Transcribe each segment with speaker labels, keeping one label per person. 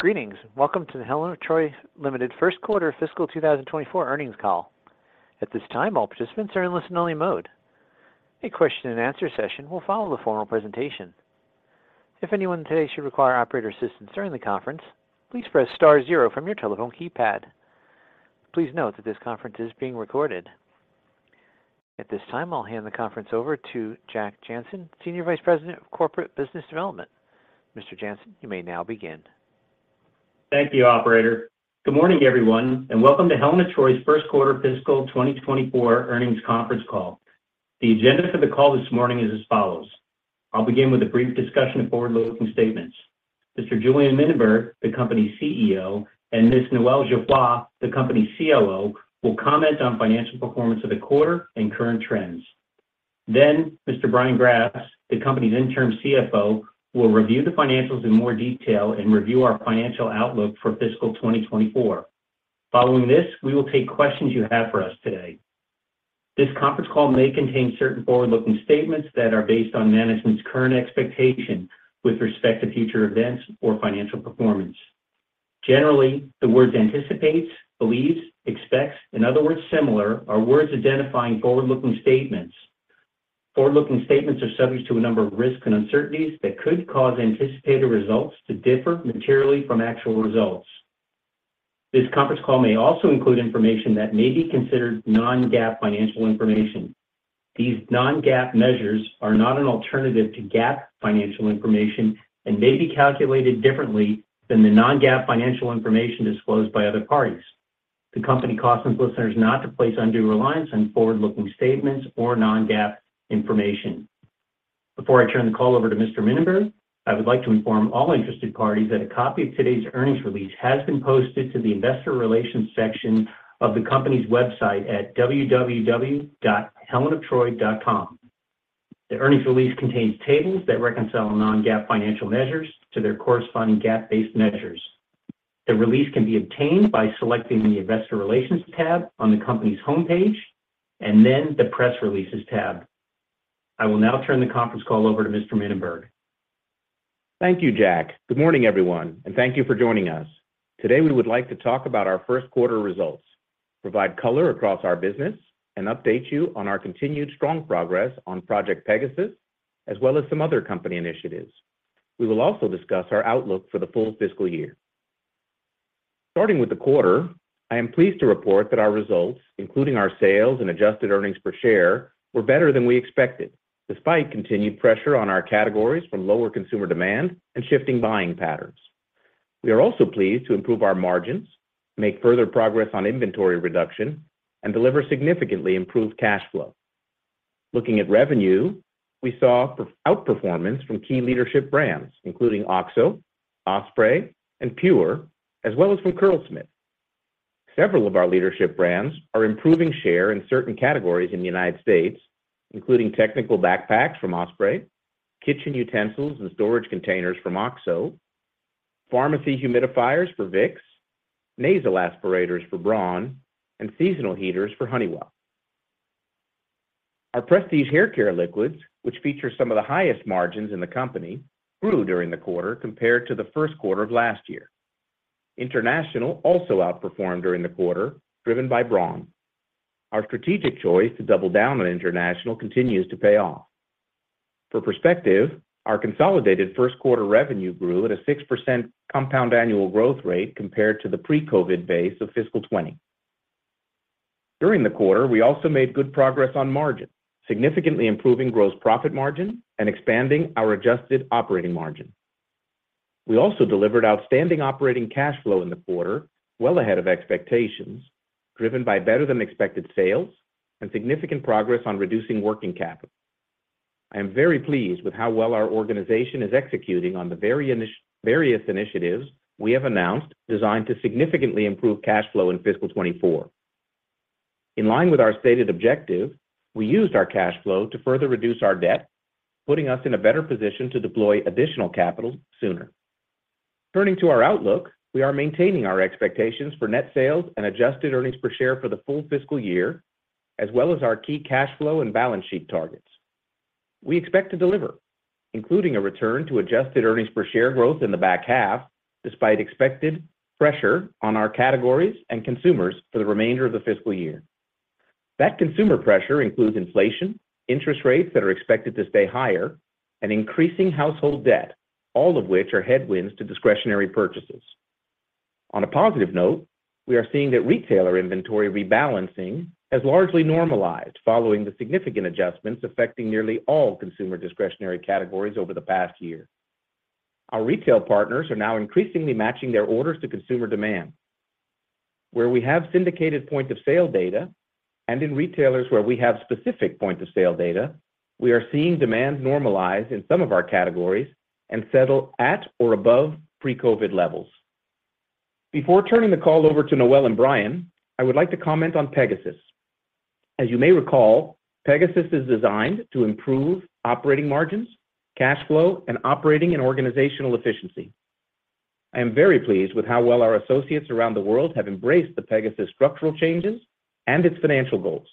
Speaker 1: Greetings. Welcome to the Helen of Troy Limited First Quarter Fiscal 2024 Earnings call. At this time, all participants are in listen-only mode. A question-and answer-session will follow the formal presentation. If anyone today should require operator assistance during the conference, please press star zero from your telephone keypad. Please note that this conference is being recorded. At this time, I'll hand the conference over to Jack Jancin, Senior Vice President of Corporate Business Development. Mr. Jancin, you may now begin.
Speaker 2: Thank you, operator. Good morning, everyone, and welcome to Helen of Troy's First Quarter Fiscal 2024 Earnings Conference Call. The agenda for the call this morning is as follows: I'll begin with a brief discussion of forward-looking statements. Mr. Julien Mininberg, the company's CEO, and Ms. Noel Geoffroy, the company's COO, will comment on financial performance of the quarter and current trends. Mr. Brian Grass, the company's interim CFO, will review the financials in more detail and review our financial outlook for fiscal 2024. Following this, we will take questions you have for us today. This conference call may contain certain forward-looking statements that are based on management's current expectation with respect to future events or financial performance. Generally, the words anticipates, believes, expects, and other words similar, are words identifying forward-looking statements. Forward-looking statements are subject to a number of risks and uncertainties that could cause anticipated results to differ materially from actual results. This conference call may also include information that may be considered non-GAAP financial information. These non-GAAP measures are not an alternative to GAAP financial information and may be calculated differently than the non-GAAP financial information disclosed by other parties. The company cautions listeners not to place undue reliance on forward-looking statements or non-GAAP information. Before I turn the call over to Mr. Mininberg, I would like to inform all interested parties that a copy of today's earnings release has been posted to the Investor Relations section of the company's website at www.helenoftroy.com. The earnings release contains tables that reconcile non-GAAP financial measures to their corresponding GAAP-based measures. The release can be obtained by selecting the Investor Relations tab on the company's homepage, and then the Press Releases tab. I will now turn the conference call over to Mr. Mininberg.
Speaker 3: Thank you, Jack. Good morning, everyone, and thank you for joining us. Today, we would like to talk about our first quarter results, provide color across our business, and update you on our continued strong progress on Project Pegasus, as well as some other company initiatives. We will also discuss our outlook for the full fiscal year. Starting with the quarter, I am pleased to report that our results, including our sales and adjusted earnings per share, were better than we expected, despite continued pressure on our categories from lower consumer demand and shifting buying patterns. We are also pleased to improve our margins, make further progress on inventory reduction, and deliver significantly improved cash flow. Looking at revenue, we saw outperformance from key leadership brands, including OXO, Osprey, and PUR, as well as from Curlsmith. Several of our leadership brands are improving share in certain categories in the United States, including technical backpacks from Osprey, kitchen utensils and storage containers from OXO, pharmacy humidifiers for Vicks, nasal aspirators for Braun, and seasonal heaters for Honeywell. Our Prestige Hair Care liquids, which feature some of the highest margins in the company, grew during the quarter compared to the first quarter of last year. International also outperformed during the quarter, driven by Braun. Our strategic choice to double down on international continues to pay off. For perspective, our consolidated first quarter revenue grew at a 6% compound annual growth rate compared to the pre-COVID base of fiscal 2020. During the quarter, we also made good progress on margin, significantly improving gross profit margin and expanding our adjusted operating margin. Delivered outstanding operating cash flow in the quarter, well ahead of expectations, driven by better-than-expected sales and significant progress on reducing working capital. I am very pleased with how well our organization is executing on the various initiatives we have announced, designed to significantly improve cash flow in fiscal 2024. In line with our stated objective, we used our cash flow to further reduce our debt, putting us in a better position to deploy additional capital sooner. Turning to our outlook, we are maintaining our expectations for net sales and adjusted earnings per share for the full fiscal year, as well as our key cash flow and balance sheet targets. We expect to deliver, including a return to adjusted earnings per share growth in the back half, despite expected pressure on our categories and consumers for the remainder of the fiscal year. That consumer pressure includes inflation, interest rates that are expected to stay higher, and increasing household debt, all of which are headwinds to discretionary purchases. On a positive note, we are seeing that retailer inventory rebalancing has largely normalized following the significant adjustments affecting nearly all consumer discretionary categories over the past year. Our retail partners are now increasingly matching their orders to consumer demand. Where we have syndicated point of sale data and in retailers where we have specific point of sale data, we are seeing demand normalize in some of our categories and settle at or above pre-COVID levels. Before turning the call over to Noel and Brian, I would like to comment on Pegasus. As you may recall, Pegasus is designed to improve operating margins, cash flow, and operating and organizational efficiency. I am very pleased with how well our associates around the world have embraced the Pegasus structural changes and its financial goals.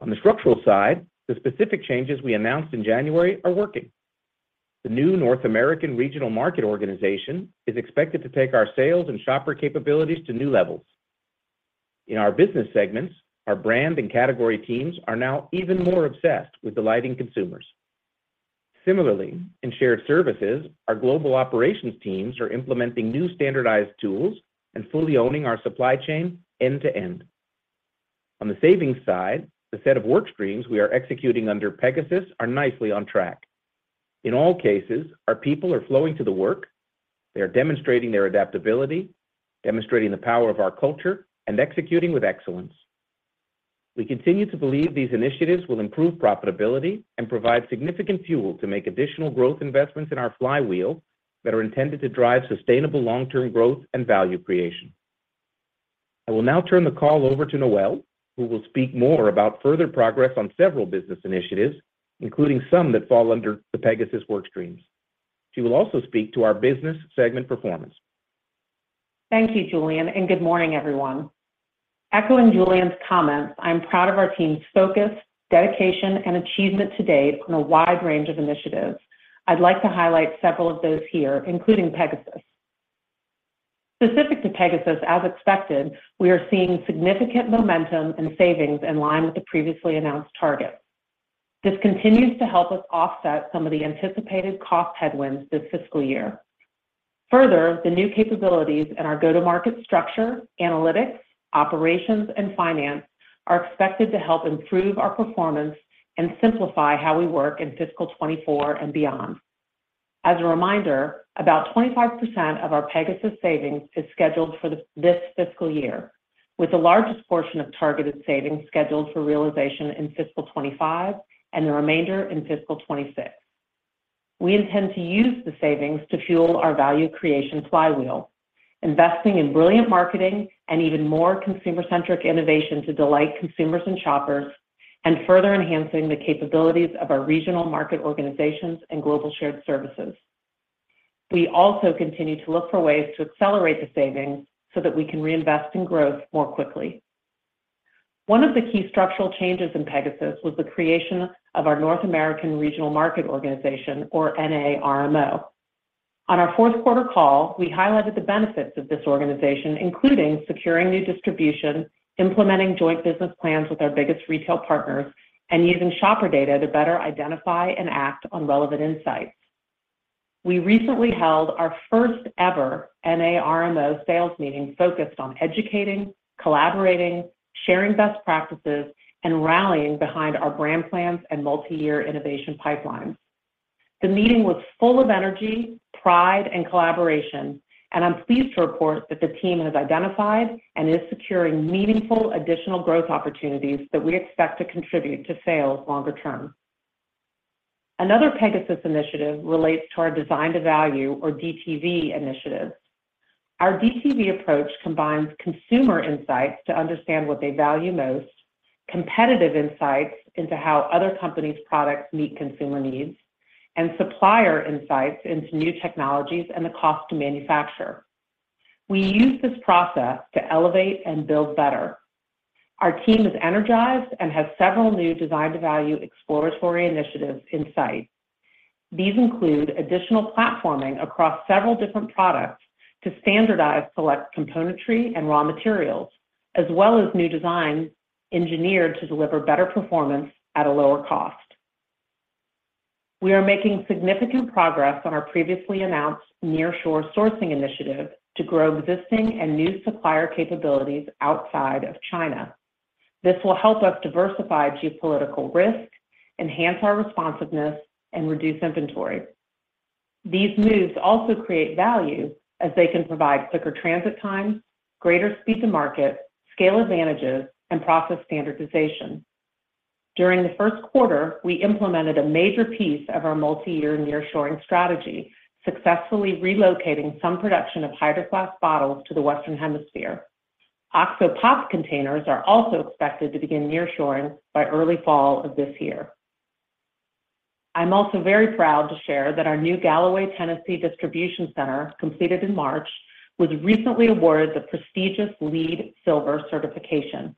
Speaker 3: On the structural side, the specific changes we announced in January are working. The new North American Regional Market Organization is expected to take our sales and shopper capabilities to new levels. In our business segments, our brand and category teams are now even more obsessed with delighting consumers. Similarly, in shared services, our global operations teams are implementing new standardized tools and fully owning our supply chain end-to-end. On the savings side, the set of work streams we are executing under Pegasus are nicely on track. In all cases, our people are flowing to the work, they are demonstrating their adaptability, demonstrating the power of our culture, and executing with excellence. We continue to believe these initiatives will improve profitability and provide significant fuel to make additional growth investments in our flywheel that are intended to drive sustainable long-term growth and value creation. I will now turn the call over to Noel, who will speak more about further progress on several business initiatives, including some that fall under the Pegasus work streams. She will also speak to our business segment performance.
Speaker 4: Thank you, Julien. Good morning, everyone. Echoing Julien's comments, I'm proud of our team's focus, dedication, and achievement to date on a wide range of initiatives. I'd like to highlight several of those here, including Pegasus. Specific to Pegasus, as expected, we are seeing significant momentum and savings in line with the previously announced targets. This continues to help us offset some of the anticipated cost headwinds this fiscal year. Further, the new capabilities in our go-to-market structure, analytics, operations, and finance are expected to help improve our performance and simplify how we work in fiscal 24 and beyond. As a reminder, about 25% of our Pegasus savings is scheduled for this fiscal year, with the largest portion of targeted savings scheduled for realization in fiscal 25 and the remainder in fiscal 26. We intend to use the savings to fuel our value creation flywheel, investing in brilliant marketing and even more consumer-centric innovation to delight consumers and shoppers, and further enhancing the capabilities of our regional market organizations and global shared services. We also continue to look for ways to accelerate the savings so that we can reinvest in growth more quickly. One of the key structural changes in Pegasus was the creation of our North American Regional Market Organization, or NARMO. On our fourth quarter call, we highlighted the benefits of this organization, including securing new distribution, implementing joint business plans with our biggest retail partners, and using shopper data to better identify and act on relevant insights. We recently held our first-ever NARMO sales meeting focused on educating, collaborating, sharing best practices, and rallying behind our brand plans and multi-year innovation pipelines. The meeting was full of energy, pride, and collaboration, and I'm pleased to report that the team has identified and is securing meaningful additional growth opportunities that we expect to contribute to sales longer term. Another Pegasus initiative relates to our Design to Value, or DTV, initiative. Our DTV approach combines consumer insights to understand what they value most, competitive insights into how other companies' products meet consumer needs, and supplier insights into new technologies and the cost to manufacture. We use this process to elevate and build better. Our team is energized and has several new Design to Value exploratory initiatives in sight. These include additional platforming across several different products to standardize select componentry and raw materials, as well as new designs engineered to deliver better performance at a lower cost. We are making significant progress on our previously announced nearshore sourcing initiative to grow existing and new supplier capabilities outside of China. This will help us diversify geopolitical risk, enhance our responsiveness, and reduce inventory. These moves also create value as they can provide quicker transit times, greater speed to market, scale advantages, and process standardization. During the first quarter, we implemented a major piece of our multi-year nearshoring strategy, successfully relocating some production of Hydro Flask bottles to the Western Hemisphere. OXO POP Containers are also expected to begin nearshoring by early fall of this year. I'm also very proud to share that our new Gallaway, Tennessee, distribution center, completed in March, was recently awarded the prestigious LEED Silver certification.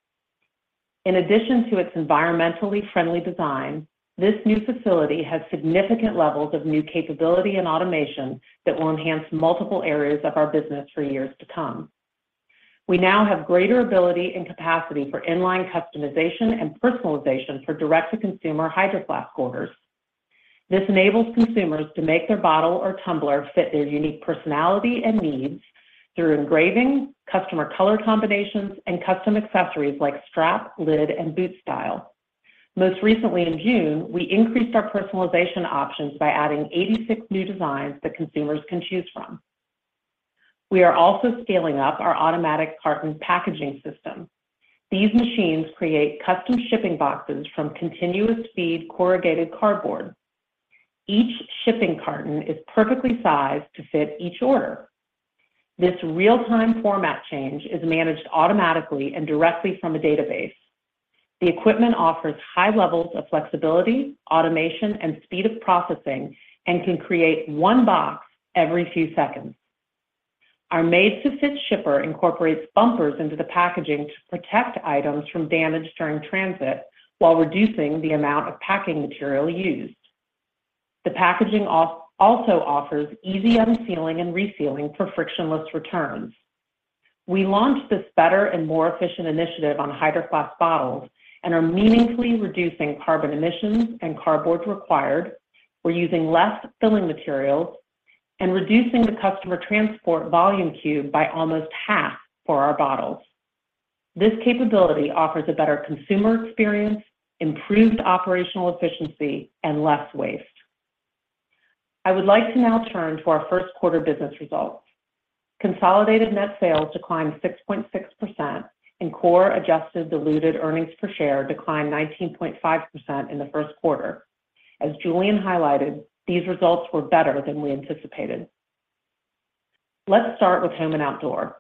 Speaker 4: In addition to its environmentally friendly design, this new facility has significant levels of new capability and automation that will enhance multiple areas of our business for years to come. We now have greater ability and capacity for in-line customization and personalization for direct-to-consumer Hydro Flask orders. This enables consumers to make their bottle or tumbler fit their unique personality and needs through engraving, customer color combinations, and custom accessories like strap, lid, and boot style. Most recently in June, we increased our personalization options by adding 86 new designs that consumers can choose from. We are also scaling up our automatic carton packaging system. These machines create custom shipping boxes from continuous-feed corrugated cardboard. Each shipping carton is perfectly sized to fit each order. This real-time format change is managed automatically and directly from a database. The equipment offers high levels of flexibility, automation, and speed of processing and can create one box every few seconds. Our made-to-fit shipper incorporates bumpers into the packaging to protect items from damage during transit, while reducing the amount of packing material used. The packaging also offers easy unsealing and resealing for frictionless returns. We launched this better and more efficient initiative on Hydro Flask bottles and are meaningfully reducing carbon emissions and cardboard required. We're using less filling materials and reducing the customer transport volume cube by almost half for our bottles. This capability offers a better consumer experience, improved operational efficiency, and less waste. I would like to now turn to our first quarter business results. Consolidated net sales declined 6.6%, and core adjusted diluted earnings per share declined 19.5% in the first quarter. As Julien Mininberg highlighted, these results were better than we anticipated. Let's start with Home and Outdoor.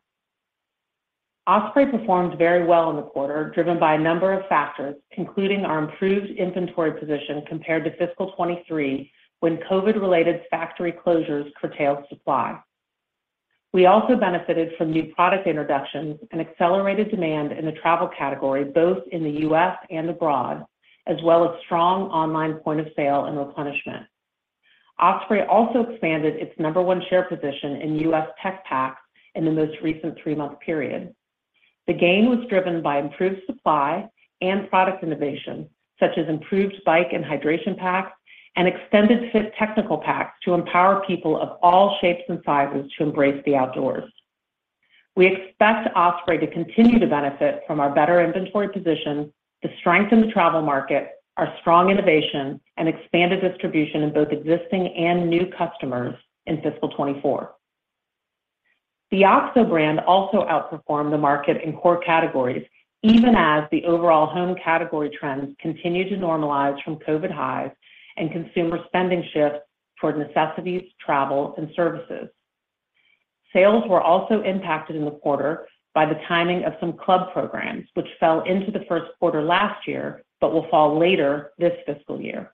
Speaker 4: Osprey performed very well in the quarter, driven by a number of factors, including our improved inventory position compared to fiscal 2023, when COVID-related factory closures curtailed supply. We also benefited from new product introductions and accelerated demand in the travel category, both in the U.S. and abroad, as well as strong online point of sale and replenishment. Osprey also expanded its number one share position in U.S. tech packs in the most recent three-month period. The gain was driven by improved supply and product innovation, such as improved bike and hydration packs and extended fit technical packs to empower people of all shapes and sizes to embrace the outdoors. We expect Osprey to continue to benefit from our better inventory position, the strength in the travel market, our strong innovation, and expanded distribution in both existing and new customers in fiscal 2024. The OXO brand also outperformed the market in core categories, even as the overall home category trends continued to normalize from COVID highs and consumer spending shifts toward necessities, travel, and services. Sales were also impacted in the quarter by the timing of some club programs, which fell into the first quarter last year, but will fall later this fiscal year.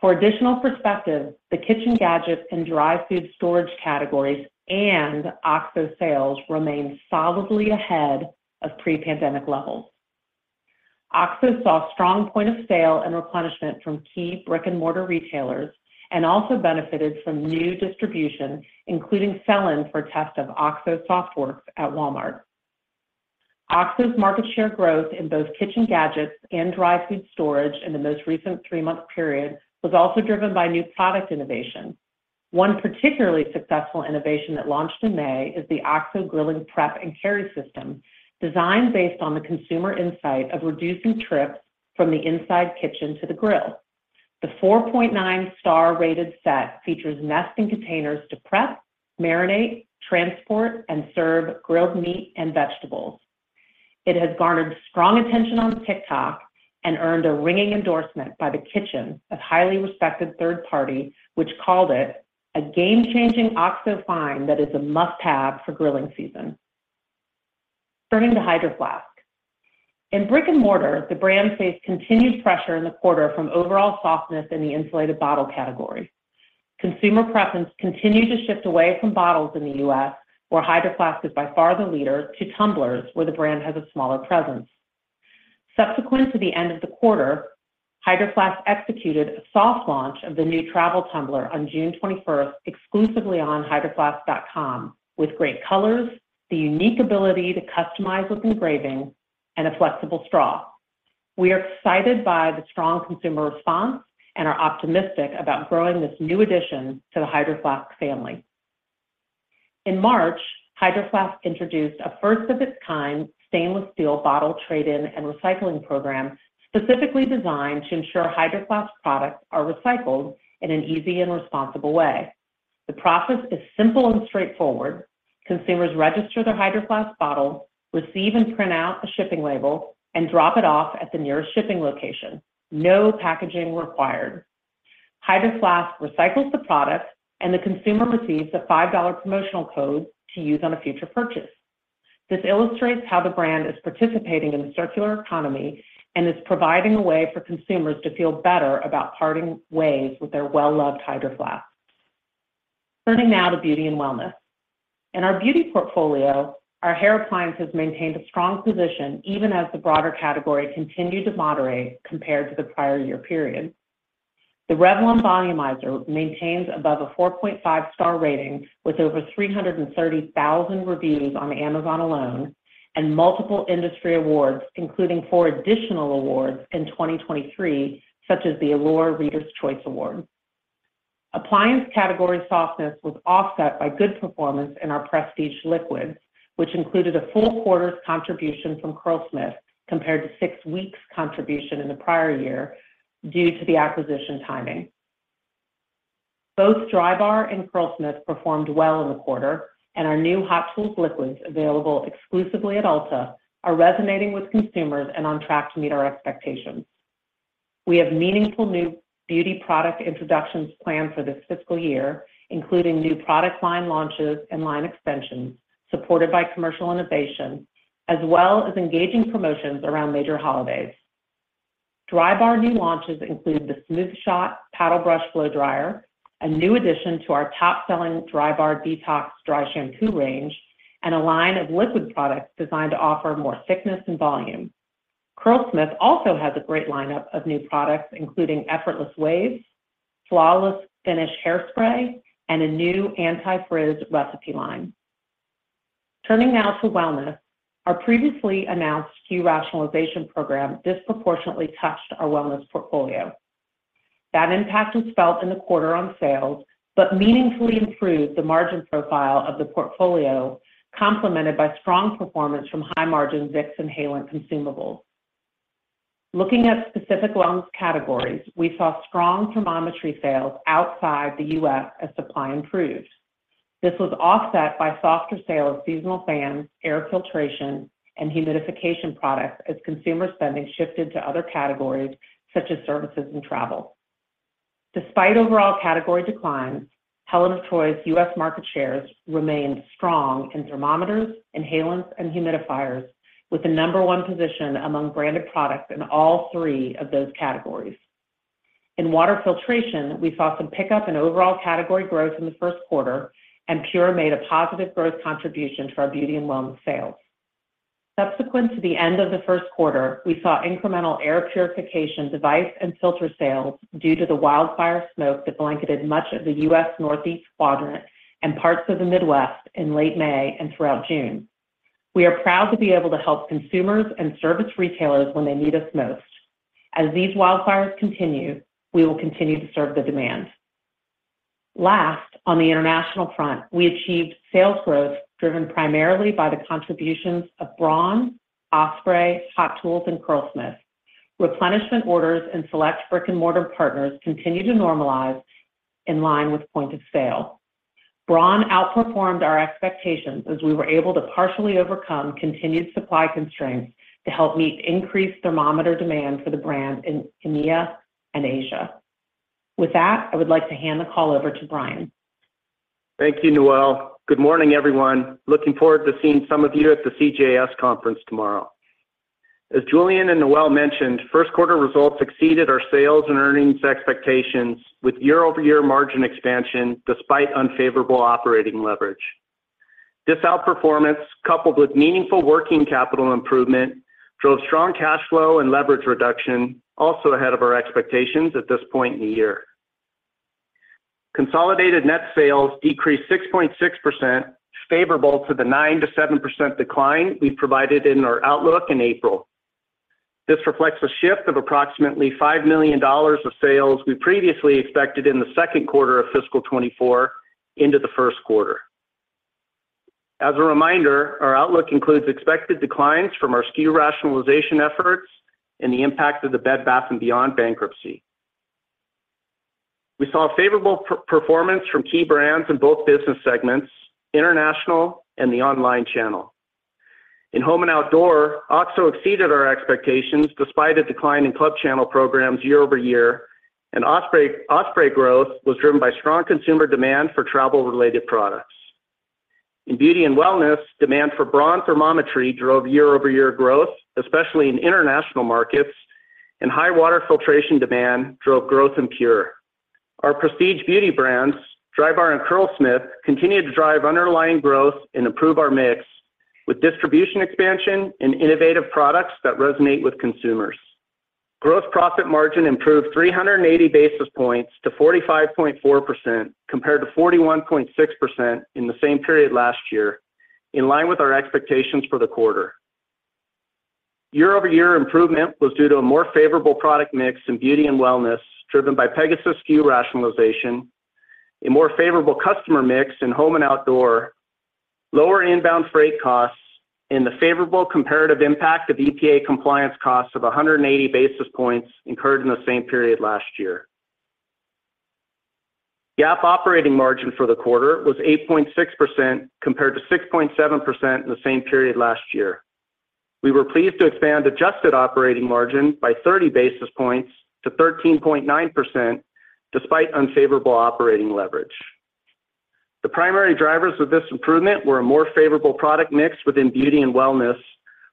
Speaker 4: For additional perspective, the kitchen gadgets and dry food storage categories and OXO sales remain solidly ahead of pre-pandemic levels. OXO saw strong point of sale and replenishment from key brick-and-mortar retailers and also benefited from new distribution, including sell-in for test of OXO SoftWorks at Walmart. OXO's market share growth in both kitchen gadgets and dry food storage in the most recent three-month period was also driven by new product innovation. One particularly successful innovation that launched in May is the OXO Grilling Prep and Carry System, designed based on the consumer insight of reducing trips from the inside kitchen to the grill. The 4.9 star rated set features nesting containers to prep, marinate, transport, and serve grilled meat and vegetables. It has garnered strong attention on TikTok and earned a ringing endorsement by The Kitchn, a highly respected third party, which called it, "A game-changing OXO find that is a must-have for grilling season." Turning to Hydro Flask. In brick-and-mortar, the brand faced continued pressure in the quarter from overall softness in the insulated bottle category. Consumer preference continued to shift away from bottles in the U.S., where Hydro Flask is by far the leader, to tumblers, where the brand has a smaller presence. Subsequent to the end of the quarter, Hydro Flask executed a soft launch of the new travel tumbler on June 21st, exclusively on hydroflask.com, with great colors, the unique ability to customize with engraving, and a flexible straw. We are excited by the strong consumer response and are optimistic about growing this new addition to the Hydro Flask family. In March, Hydro Flask introduced a first-of-its-kind stainless steel bottle trade-in and recycling program, specifically designed to ensure Hydro Flask products are recycled in an easy and responsible way. The process is simple and straightforward. Consumers register their Hydro Flask bottle, receive and print out a shipping label, and drop it off at the nearest shipping location. No packaging required. Hydro Flask recycles the product, and the consumer receives a $5 promotional code to use on a future purchase. This illustrates how the brand is participating in the circular economy and is providing a way for consumers to feel better about parting ways with their well-loved Hydro Flask. Turning now to Beauty and Wellness. In our Beauty portfolio, our hair appliance has maintained a strong position, even as the broader category continued to moderate compared to the prior year period. The Revlon Volumizer maintains above a 4.5 star rating with over 330,000 reviews on Amazon alone, and multiple industry awards, including four additional awards in 2023, such as the Allure Readers' Choice Award. Appliance category softness was offset by good performance in our prestige liquids, which included a full quarter's contribution from Curlsmith, compared to six weeks' contribution in the prior year, due to the acquisition timing. Both Drybar and Curlsmith performed well in the quarter, and our new Hot Tools liquids, available exclusively at Ulta, are resonating with consumers and on track to meet our expectations. We have meaningful new beauty product introductions planned for this fiscal year, including new product line launches and line extensions, supported by commercial innovation, as well as engaging promotions around major holidays. Drybar new launches include The Smooth Shot Paddle Brush Blow-Dryer, a new addition to our top-selling Drybar Detox Dry Shampoo range, and a line of liquid products designed to offer more thickness and volume. Curlsmith also has a great lineup of new products, including Effortless Waves, Flawless Finish Hairspray, and a new Anti-Frizz Recipe line. Turning now to Wellness, our previously announced SKU rationalization program disproportionately touched our Wellness portfolio. That impact was felt in the quarter on sales, but meaningfully improved the margin profile of the portfolio, complemented by strong performance from high-margin Vicks inhalant consumables. Looking at specific wellness categories, we saw strong thermometry sales outside the U.S. as supply improved. This was offset by softer sales of seasonal fans, air filtration, and humidification products as consumer spending shifted to other categories such as services and travel. Despite overall category declines, Helen of Troy's U.S. market shares remained strong in thermometers, inhalants, and humidifiers, with the number one position among branded products in all three of those categories. In water filtration, we saw some pickup in overall category growth in the first quarter. PUR made a positive growth contribution to our Beauty and Wellness sales. Subsequent to the end of the first quarter, we saw incremental air purification device and filter sales due to the wildfire smoke that blanketed much of the U.S. Northeast quadrant and parts of the Midwest in late May and throughout June. We are proud to be able to help consumers and service retailers when they need us most. As these wildfires continue, we will continue to serve the demand. Last, on the international front, we achieved sales growth driven primarily by the contributions of Braun, Osprey, Hot Tools, and Curlsmith. Replenishment orders and select brick-and-mortar partners continued to normalize in line with point of sale. Braun outperformed our expectations as we were able to partially overcome continued supply constraints to help meet increased thermometer demand for the brand in EMEA and Asia. With that, I would like to hand the call over to Brian.
Speaker 5: Thank you, Noel. Good morning, everyone. Looking forward to seeing some of you at the CJS Securities conference tomorrow. As Julien and Noel mentioned, first quarter results exceeded our sales and earnings expectations with year-over-year margin expansion despite unfavorable operating leverage. This outperformance, coupled with meaningful working capital improvement, drove strong cash flow and leverage reduction, also ahead of our expectations at this point in the year. Consolidated net sales decreased 6.6%, favorable to the 9%-7% decline we provided in our outlook in April. This reflects a shift of approximately $5 million of sales we previously expected in the second quarter of fiscal 2024 into the first quarter. As a reminder, our outlook includes expected declines from our SKU rationalization efforts and the impact of the Bed Bath & Beyond bankruptcy. We saw favorable performance from key brands in both business segments, international and the online channel. In Home and Outdoor, OXO exceeded our expectations despite a decline in club channel programs year-over-year, and Osprey growth was driven by strong consumer demand for travel-related products. In Beauty and Wellness, demand for Braun thermometry drove year-over-year growth, especially in international markets, and high water filtration demand drove growth in PUR. Our prestige beauty brands, Drybar and Curlsmith, continued to drive underlying growth and improve our mix with distribution expansion and innovative products that resonate with consumers. Gross profit margin improved 380 basis points to 45.4%, compared to 41.6% in the same period last year, in line with our expectations for the quarter. Year-over-year improvement was due to a more favorable product mix in Beauty and Wellness, driven by Pegasus SKU rationalization, a more favorable customer mix in Home and Outdoor, lower inbound freight costs, and the favorable comparative impact of EPA compliance costs of 180 basis points incurred in the same period last year. GAAP operating margin for the quarter was 8.6%, compared to 6.7% in the same period last year. We were pleased to expand adjusted operating margin by 30 basis points to 13.9%, despite unfavorable operating leverage. The primary drivers of this improvement were a more favorable product mix within Beauty and Wellness,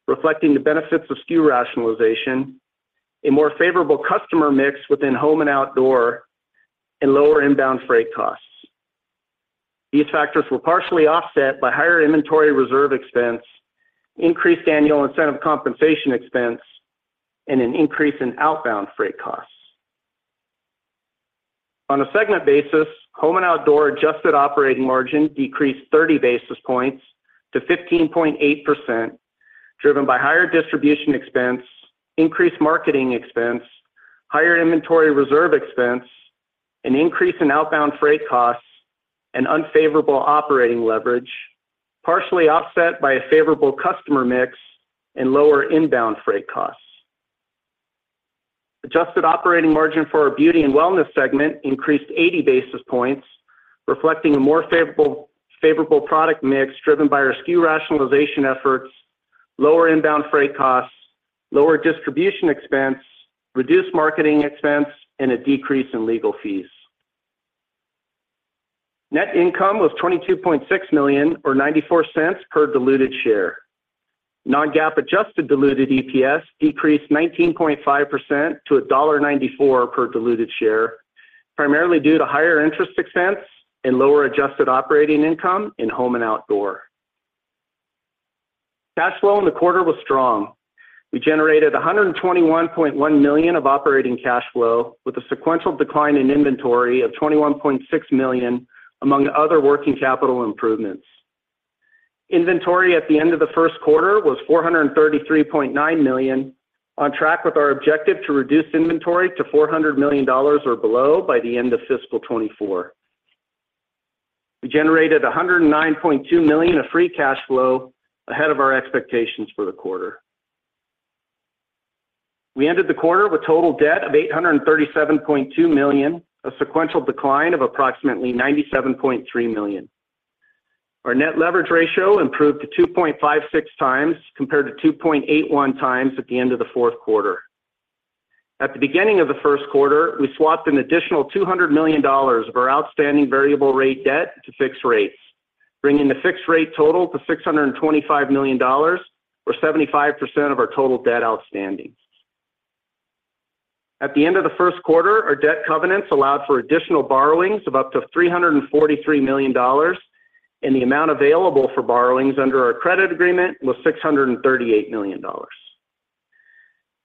Speaker 5: reflecting the benefits of SKU rationalization, a more favorable customer mix within Home and Outdoor, and lower inbound freight costs. These factors were partially offset by higher inventory reserve expense, increased annual incentive compensation expense, and an increase in outbound freight costs. On a segment basis, Home and Outdoor adjusted operating margin decreased 30 basis points to 15.8%, driven by higher distribution expense, increased marketing expense, higher inventory reserve expense, an increase in outbound freight costs, and unfavorable operating leverage, partially offset by a favorable customer mix and lower inbound freight costs. Adjusted operating margin for our Beauty and Wellness segment increased 80 basis points, reflecting a more favorable product mix driven by our SKU rationalization efforts, lower inbound freight costs, lower distribution expense, reduced marketing expense, and a decrease in legal fees. Net income was $22.6 million, or $0.94 per diluted share. Non-GAAP adjusted diluted EPS decreased 19.5% to $1.94 per diluted share, primarily due to higher interest expense and lower adjusted operating income in Home and Outdoor. Cash flow in the quarter was strong. We generated $121.1 million of operating cash flow, with a sequential decline in inventory of $21.6 million, among other working capital improvements. Inventory at the end of the first quarter was $433.9 million, on track with our objective to reduce inventory to $400 million or below by the end of fiscal 2024. We generated $109.2 million of free cash flow ahead of our expectations for the quarter. We ended the quarter with total debt of $837.2 million, a sequential decline of approximately $97.3 million. Our net leverage ratio improved to 2.56 times compared to 2.81 times at the end of the fourth quarter. At the beginning of the first quarter, we swapped an additional $200 million of our outstanding variable rate debt to fixed rates, bringing the fixed rate total to $625 million, or 75% of our total debt outstanding. At the end of the first quarter, our debt covenants allowed for additional borrowings of up to $343 million, and the amount available for borrowings under our credit agreement was $638 million.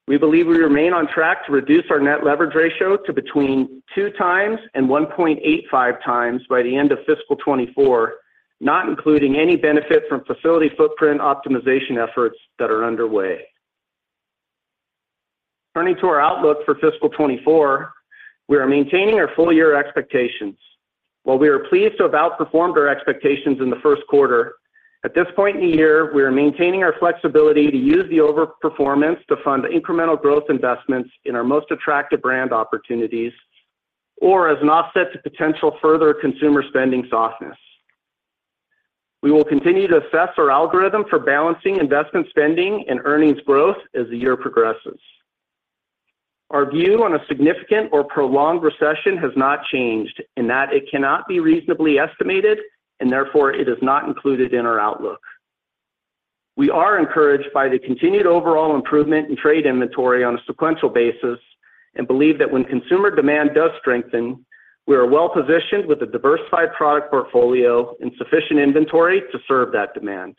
Speaker 5: We believe we remain on track to reduce our net leverage ratio to between 2 times and 1.85 times by the end of fiscal 2024, not including any benefit from facility footprint optimization efforts that are underway. Turning to our outlook for fiscal 2024, we are maintaining our full-year expectations. While we are pleased to have outperformed our expectations in the first quarter, at this point in the year, we are maintaining our flexibility to use the overperformance to fund incremental growth investments in our most attractive brand opportunities or as an offset to potential further consumer spending softness. We will continue to assess our algorithm for balancing investment spending and earnings growth as the year progresses. Our view on a significant or prolonged recession has not changed, in that it cannot be reasonably estimated and therefore it is not included in our outlook. We are encouraged by the continued overall improvement in trade inventory on a sequential basis and believe that when consumer demand does strengthen, we are well-positioned with a diversified product portfolio and sufficient inventory to serve that demand.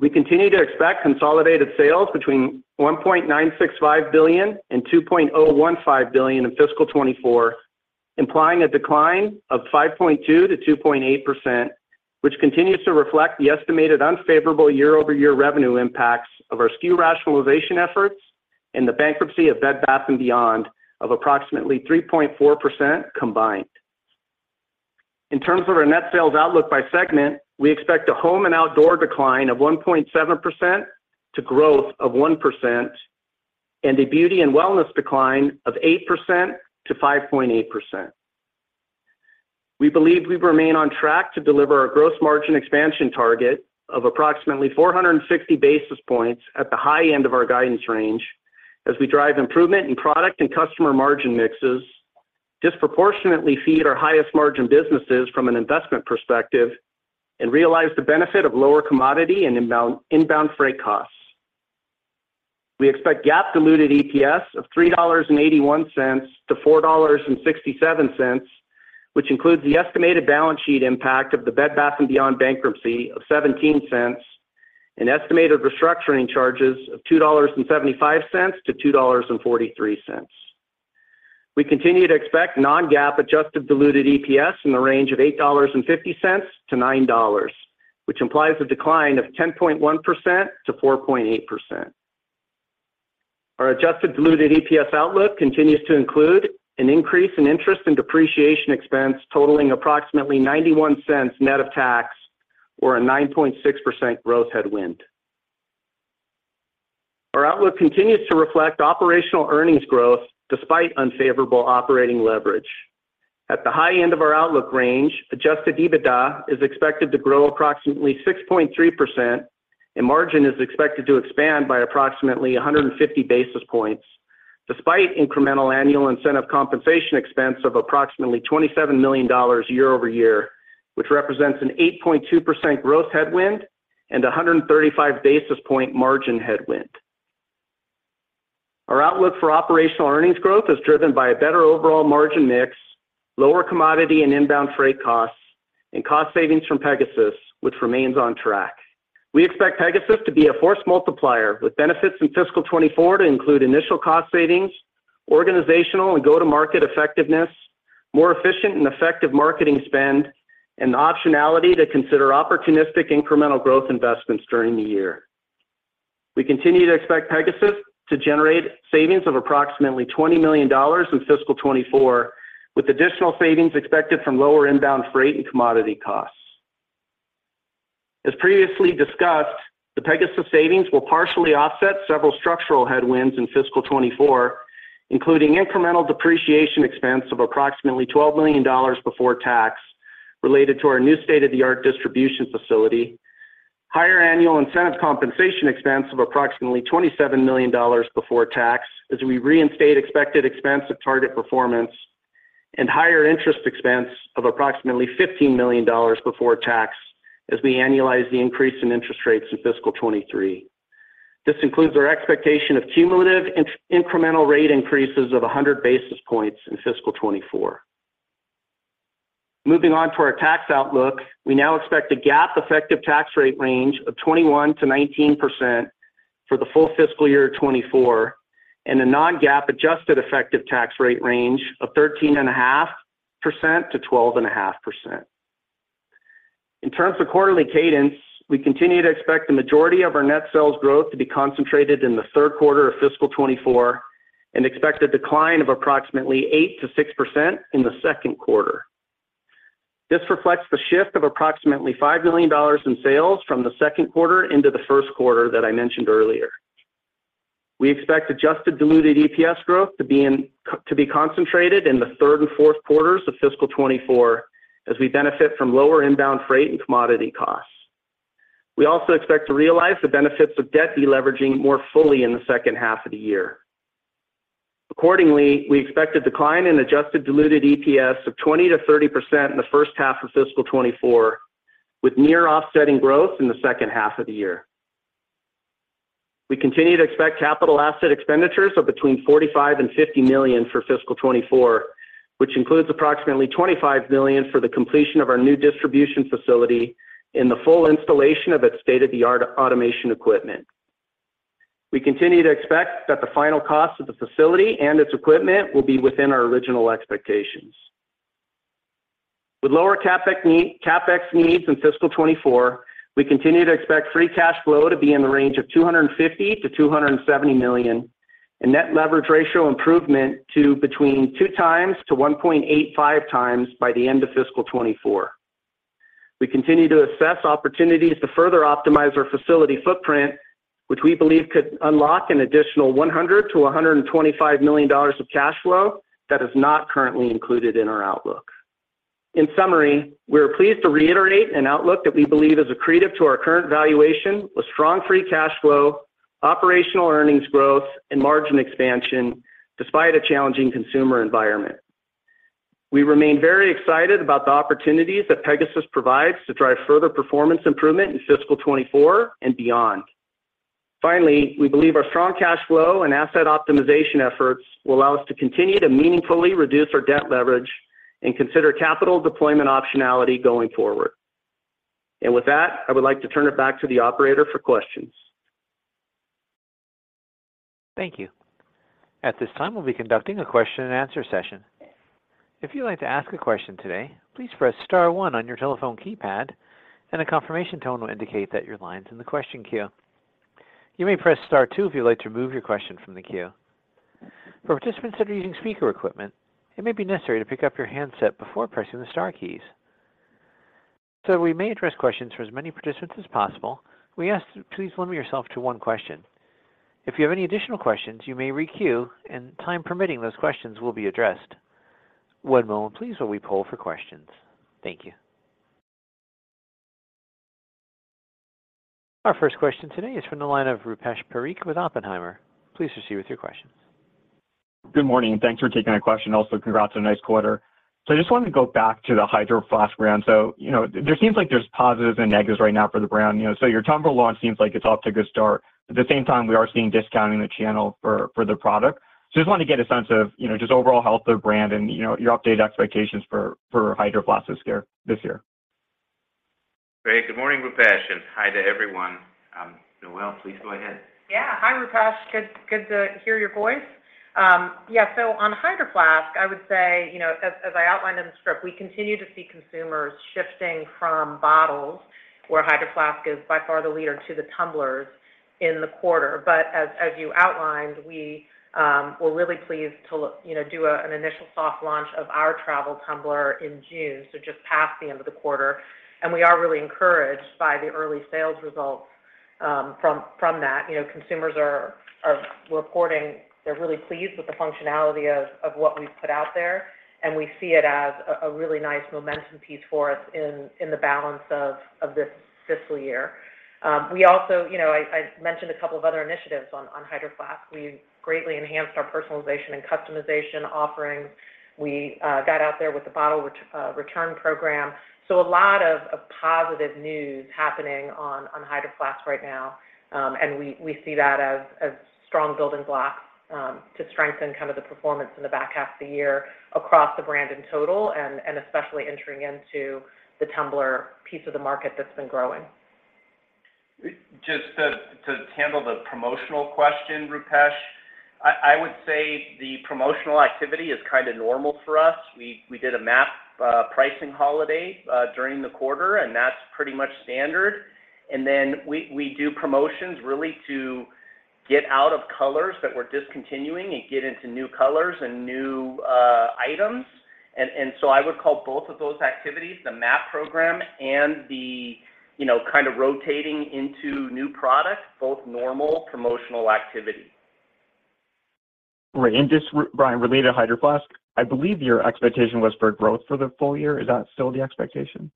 Speaker 5: We continue to expect consolidated sales between $1.965 billion and $2.015 billion in fiscal 2024, implying a decline of 5.2% to 2.8%, which continues to reflect the estimated unfavorable year-over-year revenue impacts of our SKU rationalization efforts and the bankruptcy of Bed Bath & Beyond of approximately 3.4% combined. In terms of our net sales outlook by segment, we expect a Home and Outdoor decline of 1.7% to growth of 1% and a Beauty and Wellness decline of 8% to 5.8%. We believe we remain on track to deliver our gross margin expansion target of approximately 460 basis points at the high end of our guidance range as we drive improvement in product and customer margin mixes, disproportionately feed our highest margin businesses from an investment perspective, and realize the benefit of lower commodity and inbound freight costs. We expect GAAP diluted EPS of $3.81-$4.67, which includes the estimated balance sheet impact of the Bed Bath & Beyond bankruptcy of $0.17 and estimated restructuring charges of $2.75-$2.43. We continue to expect non-GAAP adjusted diluted EPS in the range of $8.50-$9.00, which implies a decline of 10.1%-4.8%. Our adjusted diluted EPS outlook continues to include an increase in interest and depreciation expense totaling approximately $0.91 net of tax, or a 9.6% growth headwind. Our outlook continues to reflect operational earnings growth despite unfavorable operating leverage. At the high end of our outlook range, Adjusted EBITDA is expected to grow approximately 6.3%, and margin is expected to expand by approximately 150 basis points, despite incremental annual incentive compensation expense of approximately $27 million year-over-year, which represents an 8.2% growth headwind and a 135 basis point margin headwind. Our outlook for operational earnings growth is driven by a better overall margin mix, lower commodity and inbound freight costs, and cost savings from Pegasus, which remains on track. We expect Pegasus to be a force multiplier, with benefits in fiscal 2024 to include initial cost savings, organizational and go-to-market effectiveness, more efficient and effective marketing spend, and the optionality to consider opportunistic incremental growth investments during the year. We continue to expect Pegasus to generate savings of approximately $20 million in fiscal 2024, with additional savings expected from lower inbound freight and commodity costs. As previously discussed, the Pegasus savings will partially offset several structural headwinds in fiscal 2024, including incremental depreciation expense of approximately $12 million before tax related to our new state-of-the-art distribution facility, higher annual incentive compensation expense of approximately $27 million before tax, as we reinstate expected expense of target performance and higher interest expense of approximately $15 million before tax, as we annualize the increase in interest rates in fiscal 2023. This includes our expectation of cumulative incremental rate increases of 100 basis points in fiscal 2024. Moving on to our tax outlook, we now expect a GAAP effective tax rate range of 21%-19% for the full fiscal year 2024, and a non-GAAP adjusted effective tax rate range of 13.5%-12.5%. In terms of quarterly cadence, we continue to expect the majority of our net sales growth to be concentrated in the third quarter of fiscal 2024 and expect a decline of approximately 8%-6% in the second quarter. This reflects the shift of approximately $5 million in sales from the second quarter into the first quarter that I mentioned earlier. We expect adjusted diluted EPS growth to be in, to be concentrated in the third and fourth quarters of fiscal 2024, as we benefit from lower inbound freight and commodity costs. We also expect to realize the benefits of debt deleveraging more fully in the second half of the year. Accordingly, we expect a decline in adjusted diluted EPS of 20%-30% in the first half of fiscal 2024, with near offsetting growth in the second half of the year. We continue to expect capital asset expenditures of between $45 million and $50 million for fiscal 2024, which includes approximately $25 million for the completion of our new distribution facility and the full installation of its state-of-the-art automation equipment. We continue to expect that the final cost of the facility and its equipment will be within our original expectations. With lower CapEx needs in fiscal 2024, we continue to expect free cash flow to be in the range of $250 million-$270 million, and net leverage ratio improvement to between 2 times to 1.85 times by the end of fiscal 2024. We continue to assess opportunities to further optimize our facility footprint, which we believe could unlock an additional $100 million-$125 million of cash flow that is not currently included in our outlook. In summary, we are pleased to reiterate an outlook that we believe is accretive to our current valuation, with strong free cash flow, operational earnings growth, and margin expansion, despite a challenging consumer environment. We remain very excited about the opportunities that Pegasus provides to drive further performance improvement in fiscal 2024 and beyond. We believe our strong cash flow and asset optimization efforts will allow us to continue to meaningfully reduce our debt leverage and consider capital deployment optionality going forward. With that, I would like to turn it back to the operator for questions.
Speaker 1: Thank you. At this time, we'll be conducting a question-and-answer session. If you'd like to ask a question today, please press star one on your telephone keypad, and a confirmation tone will indicate that your line's in the question queue. You may press star two if you'd like to remove your question from the queue. For participants that are using speaker equipment, it may be necessary to pick up your handset before pressing the star keys. We may address questions for as many participants as possible, we ask that please limit yourself to one question. If you have any additional questions, you may re-queue, and time permitting, those questions will be addressed. One moment, please, while we poll for questions. Thank you. Our first question today is from the line of Rupesh Parikh with Oppenheimer. Please proceed with your question.
Speaker 6: Good morning. Thanks for taking my question. Congrats on a nice quarter. I just wanted to go back to the Hydro Flask brand. You know, there seems like there's positives and negatives right now for the brand, you know. Your Tumbler launch seems like it's off to a good start. At the same time, we are seeing discounting the channel for the product. Just want to get a sense of, you know, just overall health of the brand and, you know, your updated expectations for Hydro Flask this year.
Speaker 5: Great. Good morning, Rupesh, and hi to everyone. Noel, please go ahead.
Speaker 4: Yeah. Hi, Rupesh. Good, good to hear your voice. Yeah, so on Hydro Flask, I would say, you know, as I outlined in the script, we continue to see consumers shifting from bottles, where Hydro Flask is by far the leader, to the tumblers in the quarter. As, as you outlined, we were really pleased to do an initial soft launch of our travel tumbler in June, so just past the end of the quarter. We are really encouraged by the early sales results from that. You know, consumers are reporting they're really pleased with the functionality of what we've put out there, and we see it as a really nice momentum piece for us in the balance of this fiscal year. We also. You know, I mentioned a couple of other initiatives on Hydro Flask. We greatly enhanced our personalization and customization offerings. We got out there with the bottle return program. A lot of positive news happening on Hydro Flask right now, and we see that as strong building blocks to strengthen kind of the performance in the back half of the year across the brand in total, and especially entering into the tumbler piece of the market that's been growing.
Speaker 5: Just to handle the promotional question, Rupesh, I would say the promotional activity is kind of normal for us. We did a MAP pricing holiday during the quarter, and that's pretty much standard. We do promotions really to get out of colors that we're discontinuing and get into new colors and new items. I would call both of those activities, the MAP program and the, you know, kind of rotating into new products, both normal promotional activity.
Speaker 6: Right, just, Brian, related to Hydro Flask, I believe your expectation was for growth for the full year. Is that still the expectation?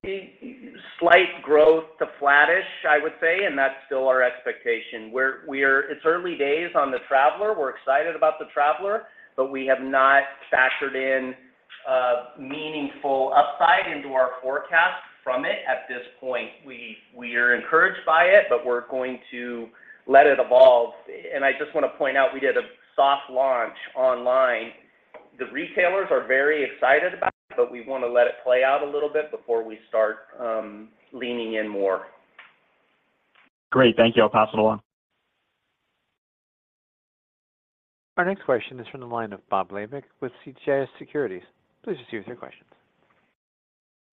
Speaker 5: Slight growth to flattish, I would say, and that's still our expectation. We're It's early days on the traveler. We're excited about the traveler, but we have not factored in a meaningful upside into our forecast from it at this point. We, we are encouraged by it, but we're going to let it evolve. I just want to point out, we did a soft launch online. The retailers are very excited about it, but we want to let it play out a little bit before we start leaning in more.
Speaker 6: Great. Thank you. I'll pass it along.
Speaker 1: Our next question is from the line of Bob Labick with CJS Securities. Please just give us your question.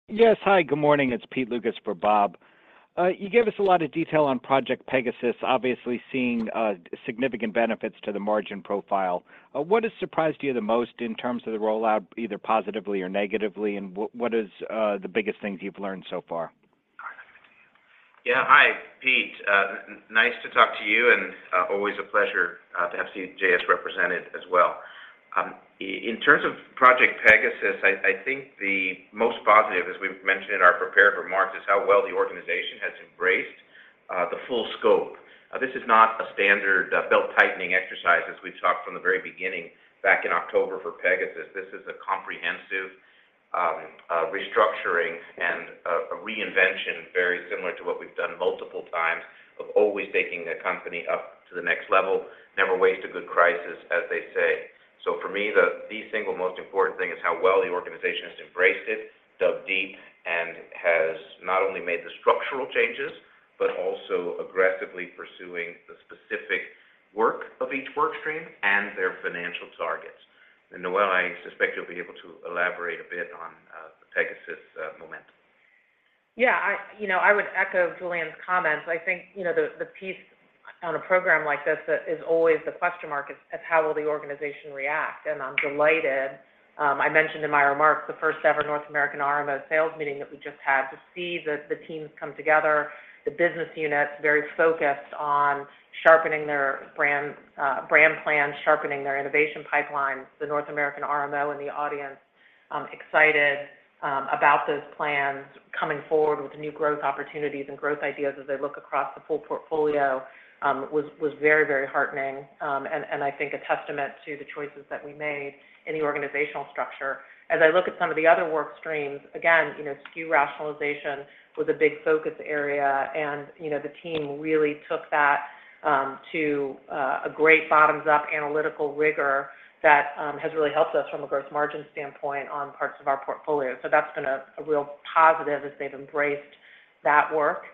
Speaker 7: Yes, hi, good morning. It's Peter Lukas for Bob. You gave us a lot of detail on Project Pegasus, obviously seeing significant benefits to the margin profile. What has surprised you the most in terms of the rollout, either positively or negatively, and what is the biggest things you've learned so far?
Speaker 3: Yeah. Hi, Peter. Nice to talk to you, and always a pleasure to have CJS represented as well. In terms of Project Pegasus, I think the most positive, as we've mentioned in our prepared remarks, is how well the organization has embraced the full scope. This is not a standard belt-tightening exercise, as we've talked from the very beginning, back in October for Pegasus. This is a comprehensive restructuring and a reinvention very similar to what we've done multiple times of always taking a company up to the next level. Never waste a good crisis, as they say. For me, the single most important thing is how well the organization has embraced it, dug deep, and has not only made the structural changes, but also aggressively pursuing the specific work of each work stream and their financial targets. Noel, I suspect you'll be able to elaborate a bit on the Pegasus momentum.
Speaker 4: You know, I would echo Julien's comments. I think, you know, the piece on a program like this is always the question mark, is how will the organization react? I'm delighted. I mentioned in my remarks the first ever North American RMO sales meeting that we just had. To see the teams come together, the business units, very focused on sharpening their brand plan, sharpening their innovation pipelines, the North American RMO and the audience excited about those plans coming forward with new growth opportunities and growth ideas as they look across the full portfolio was very heartening, and I think a testament to the choices that we made in the organizational structure. As I look at some of the other work streams, again, you know, SKU rationalization was a big focus area. You know, the team really took that to a great bottoms-up analytical rigor that has really helped us from a growth margin standpoint on parts of our portfolio. That's been a real positive as they've embraced that work.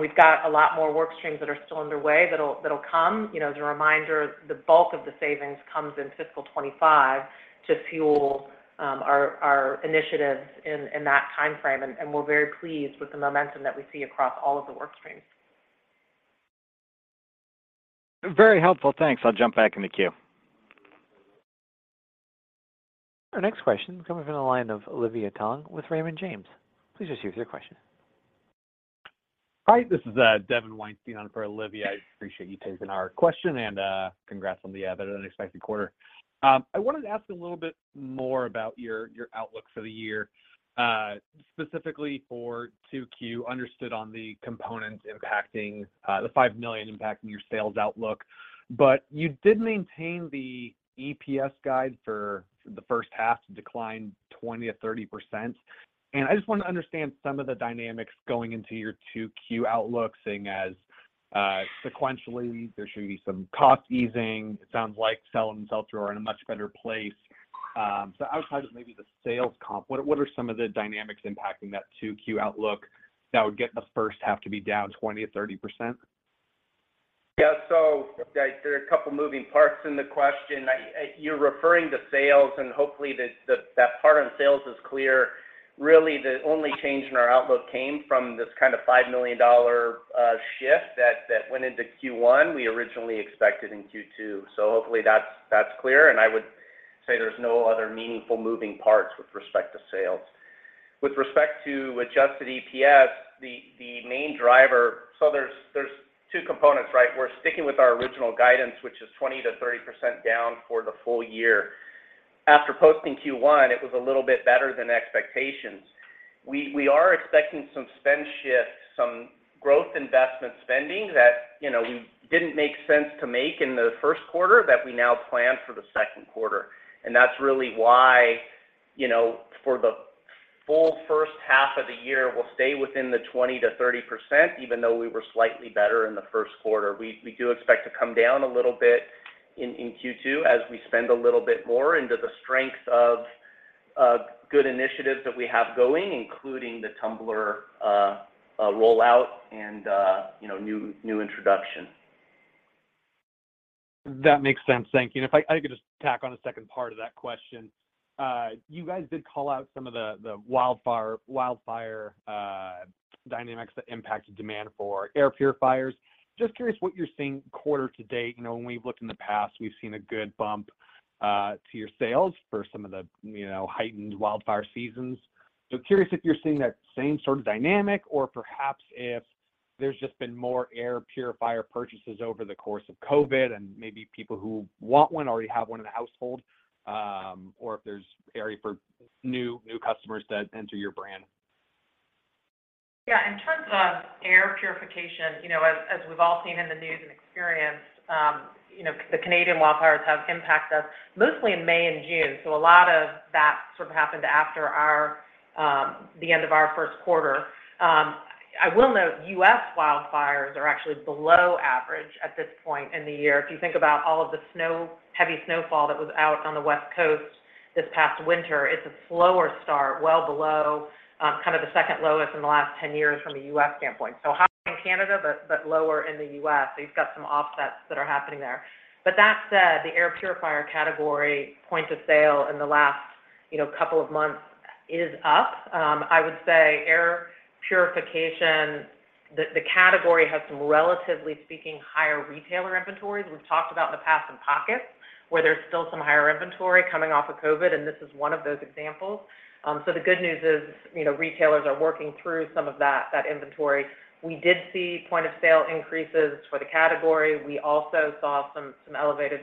Speaker 4: We've got a lot more work streams that are still underway that'll come. You know, as a reminder, the bulk of the savings comes in fiscal 2025 to fuel our initiatives in that time frame. We're very pleased with the momentum that we see across all of the work streams.
Speaker 7: Very helpful, thanks. I'll jump back in the queue.
Speaker 1: Our next question comes from the line of Olivia Tong with Raymond James. Please just use your question.
Speaker 8: Hi, this is Devin Weinstein for Olivia. I appreciate you taking our question, and congrats on the better-than-expected quarter. I wanted to ask a little bit more about your outlook for the year, specifically for 2Q, understood on the components impacting the $5 million impact in your sales outlook. You did maintain the EPS guide for the first half to decline 20%-30%. I just want to understand some of the dynamics going into your 2Q outlook, seeing as, sequentially, there should be some cost easing. It sounds like sell-in and sell-through are in a much better place. Outside of maybe the sales comp, what are some of the dynamics impacting that 2Q outlook that would get in the first half to be down 20% or 30%?
Speaker 3: There are a couple moving parts in the question. I, you're referring to sales, and hopefully that part on sales is clear. Really, the only change in our outlook came from this kind of $5 million shift that went into Q1, we originally expected in Q2. Hopefully that's clear, and I would say there's no other meaningful moving parts with respect to sales. With respect to Adjusted EPS, the main driver. There's two components, right? We're sticking with our original guidance, which is 20%-30% down for the full year. After posting Q1, it was a little bit better than expectations. We are expecting some spend shifts, some growth investment spending that, you know, we didn't make sense to make in the first quarter that we now plan for the second quarter. That's really why, you know, for the full first half of the year, we'll stay within the 20%-30%, even though we were slightly better in the first quarter. We do expect to come down a little bit in Q2 as we spend a little bit more into the strength of good initiatives that we have going, including the tumbler rollout and, you know, new introduction.
Speaker 8: That makes sense. Thank you. If I could just tack on a second part of that question. You guys did call out some of the wildfire dynamics that impacted demand for air purifiers. Just curious what you're seeing quarter to date. You know, when we've looked in the past, we've seen a good bump to your sales for some of the, you know, heightened wildfire seasons. Curious if you're seeing that same sort of dynamic or perhaps if. There's just been more air purifier purchases over the course of COVID, and maybe people who want one already have one in the household, or if there's area for new customers that enter your brand?
Speaker 4: Yeah, in terms of air purification, you know, as we've all seen in the news and experienced, you know, the Canadian wildfires have impacted us mostly in May and June. A lot of that sort of happened after our the end of our first quarter. I will note, U.S. wildfires are actually below average at this point in the year. If you think about all of the snow, heavy snowfall that was out on the West Coast this past winter, it's a slower start, well below, kind of the second lowest in the last 10 years from a U.S. standpoint. High in Canada, but lower in the U.S. You've got some offsets that are happening there. That said, the air purifier category point of sale in the last, you know, couple of months is up. I would say air purification, the category has some, relatively speaking, higher retailer inventories. We've talked about in the past in pockets, where there's still some higher inventory coming off of COVID, and this is one of those examples. The good news is, you know, retailers are working through some of that inventory. We did see point of sale increases for the category. We also saw some elevated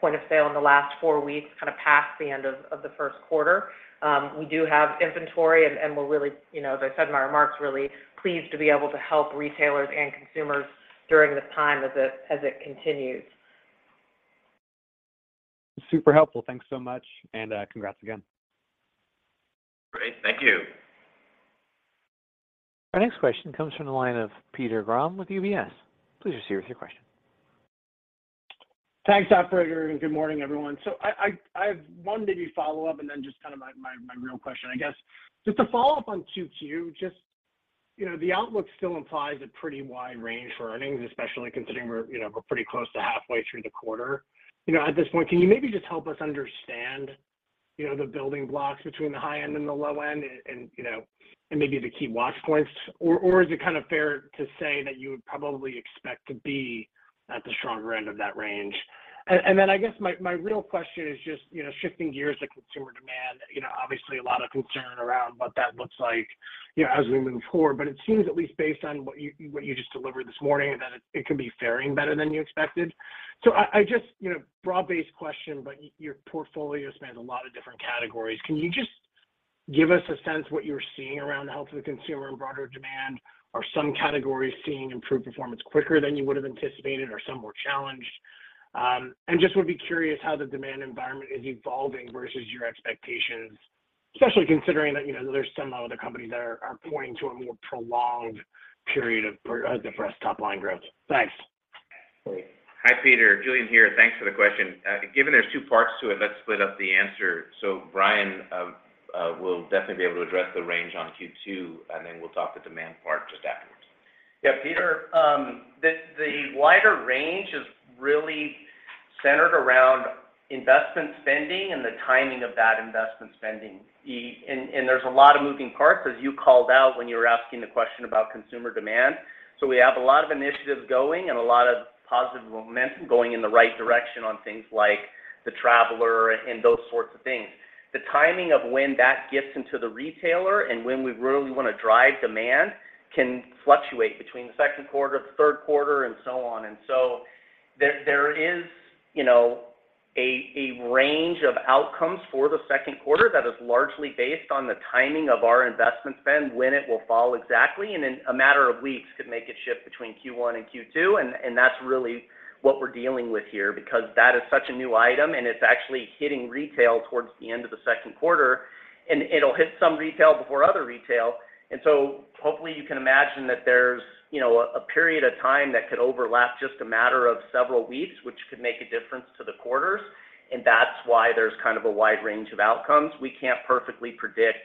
Speaker 4: point of sale in the last four weeks, kind of past the end of the first quarter. We do have inventory, and we're really, you know, as I said in my remarks, really pleased to be able to help retailers and consumers during this time as it continues.
Speaker 8: Super helpful. Thanks so much. Congrats again.
Speaker 5: Great. Thank you.
Speaker 1: Our next question comes from the line of Peter Grom with UBS. Please proceed with your question.
Speaker 9: Thanks, operator, and good morning, everyone. I have one maybe follow-up, and then just kind of my real question, I guess. Just to follow up on Q2, just, you know, the outlook still implies a pretty wide range for earnings, especially considering we're, you know, we're pretty close to halfway through the quarter. You know, at this point, can you maybe just help us understand, you know, the building blocks between the high end and the low end and, you know, and maybe the key watch points? Or is it kind of fair to say that you would probably expect to be at the stronger end of that range? I guess my real question is just, you know, shifting gears to consumer demand, you know, obviously a lot of concern around what that looks like, you know, as we move forward. It seems, at least based on what you just delivered this morning, that it could be faring better than you expected. I just, you know, broad-based question, but your portfolio spans a lot of different categories. Can you just give us a sense of what you're seeing around the health of the consumer and broader demand? Are some categories seeing improved performance quicker than you would have anticipated, or some more challenged? Just would be curious how the demand environment is evolving versus your expectations, especially considering that, you know, there's some other companies that are pointing to a more prolonged period of depressed top-line growth. Thanks.
Speaker 3: Hi, Peter. Julien here. Thanks for the question. Given there's two parts to it, let's split up the answer. Brian will definitely be able to address the range on Q2. We'll talk the demand part just afterwards.
Speaker 5: Yeah, Peter, the wider range is really centered around investment spending and the timing of that investment spending. There's a lot of moving parts, as you called out when you were asking the question about consumer demand. We have a lot of initiatives going and a lot of positive momentum going in the right direction on things like the traveler and those sorts of things. The timing of when that gets into the retailer and when we really wanna drive demand can fluctuate between the second quarter, the third quarter, and so on. There is, you know, a range of outcomes for the second quarter that is largely based on the timing of our investment spend, when it will fall exactly, and then a matter of weeks could make a shift between Q1 and Q2. That's really what we're dealing with here because that is such a new item, and it's actually hitting retail towards the end of the second quarter, and it'll hit some retail before other retail. Hopefully, you can imagine that there's, you know, a period of time that could overlap just a matter of several weeks, which could make a difference to the quarters. That's why there's kind of a wide range of outcomes. We can't perfectly predict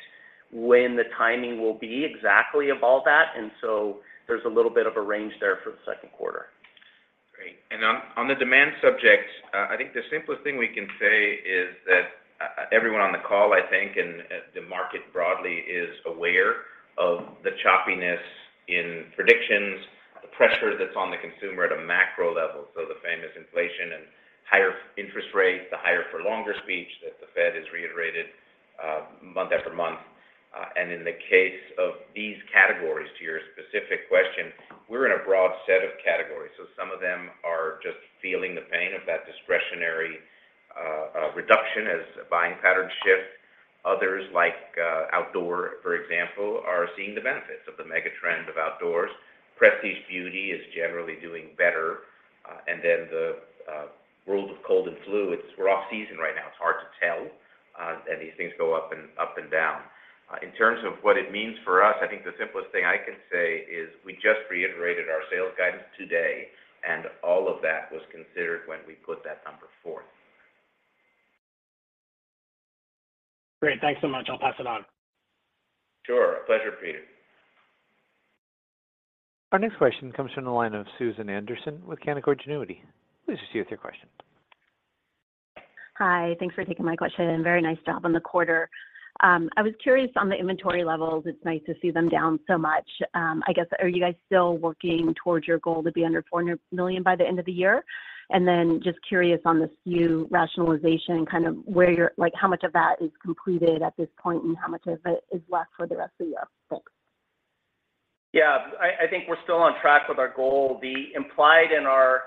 Speaker 5: when the timing will be exactly of all that. There's a little bit of a range there for the second quarter.
Speaker 3: Great. On the demand subject, I think the simplest thing we can say is that everyone on the call, I think, and the market broadly is aware of the choppiness in predictions, the pressure that's on the consumer at a macro level, so the famous inflation and higher interest rates, the higher for longer speech that the Fed has reiterated, month after month. In the case of these categories, to your specific question, we're in a broad set of categories, so some of them are just feeling the pain of that discretionary reduction as buying patterns shift. Others, like outdoor, for example, are seeing the benefits of the mega trend of outdoors. Prestige beauty is generally doing better, and then the world of cold and flu, it's we're off-season right now, it's hard to tell, and these things go up and down. In terms of what it means for us, I think the simplest thing I can say is we just reiterated our sales guidance today, and all of that was considered when we put that number forth.
Speaker 9: Great. Thanks so much. I'll pass it on.
Speaker 3: Sure. A pleasure, Peter.
Speaker 1: Our next question comes from the line of Susan Anderson with Canaccord Genuity. Please proceed with your question.
Speaker 10: Hi, thanks for taking my question. Very nice job on the quarter. I was curious on the inventory levels. It's nice to see them down so much. I guess, are you guys still working towards your goal to be under $400 million by the end of the year? Just curious on the SKU rationalization, kind of how much of that is completed at this point, and how much of it is left for the rest of the year? Thanks.
Speaker 3: Yeah, I think we're still on track with our goal. The implied in our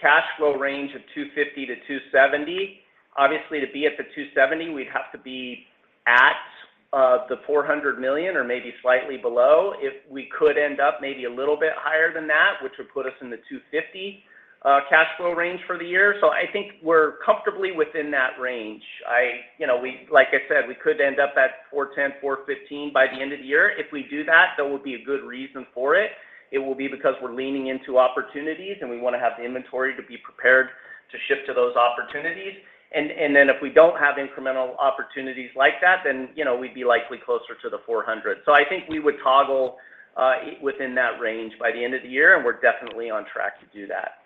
Speaker 3: cash flow range of $250 million-$270 million, obviously, to be at the $270 million, we'd have to be at the $400 million or maybe slightly below. If we could end up maybe a little bit higher than that, which would put us in the $250 million cash flow range for the year. I think we're comfortably within that range. You know, like I said, we could end up at $410 million, $415 million by the end of the year. If we do that, there will be a good reason for it. It will be because we're leaning into opportunities. We want to have the inventory to be prepared to ship to those opportunities. Then if we don't have incremental opportunities like that, then, you know, we'd be likely closer to $400. I think we would toggle within that range by the end of the year, and we're definitely on track to do that.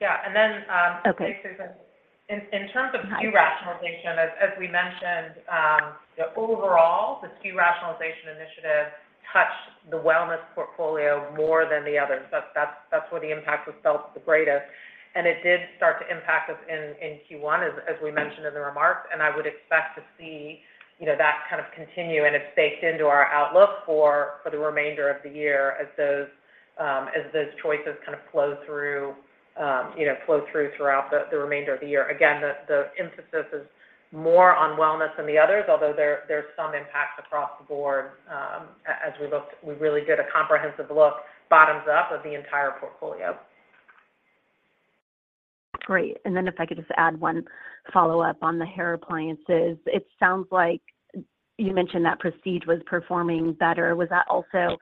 Speaker 4: Yeah.
Speaker 10: Okay.
Speaker 4: In terms of SKU rationalization, as we mentioned, the overall SKU rationalization initiative touched the wellness portfolio more than the others. That's where the impact was felt the greatest, and it did start to impact us in Q1, as we mentioned in the remarks. I would expect to see, you know, that kind of continue, and it's baked into our outlook for the remainder of the year as those choices kind of flow through, you know, flow through throughout the remainder of the year. Again, the emphasis is more on wellness than the others, although there's some impact across the board, as we looked. We really did a comprehensive look, bottoms up of the entire portfolio.
Speaker 10: Great. If I could just add one follow-up on the hair appliances. It sounds like you mentioned that Prestige was performing better. Was that also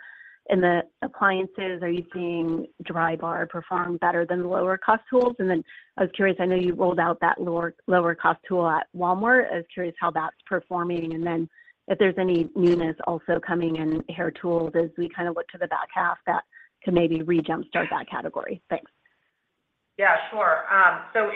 Speaker 10: in the appliances? Are you seeing Drybar perform better than the lower-cost tools? I was curious, I know you rolled out that lower cost tool at Walmart. I was curious how that's performing, and then if there's any newness also coming in hair tools as we kind of look to the back half that can maybe re-jumpstart that category. Thanks.
Speaker 4: Sure.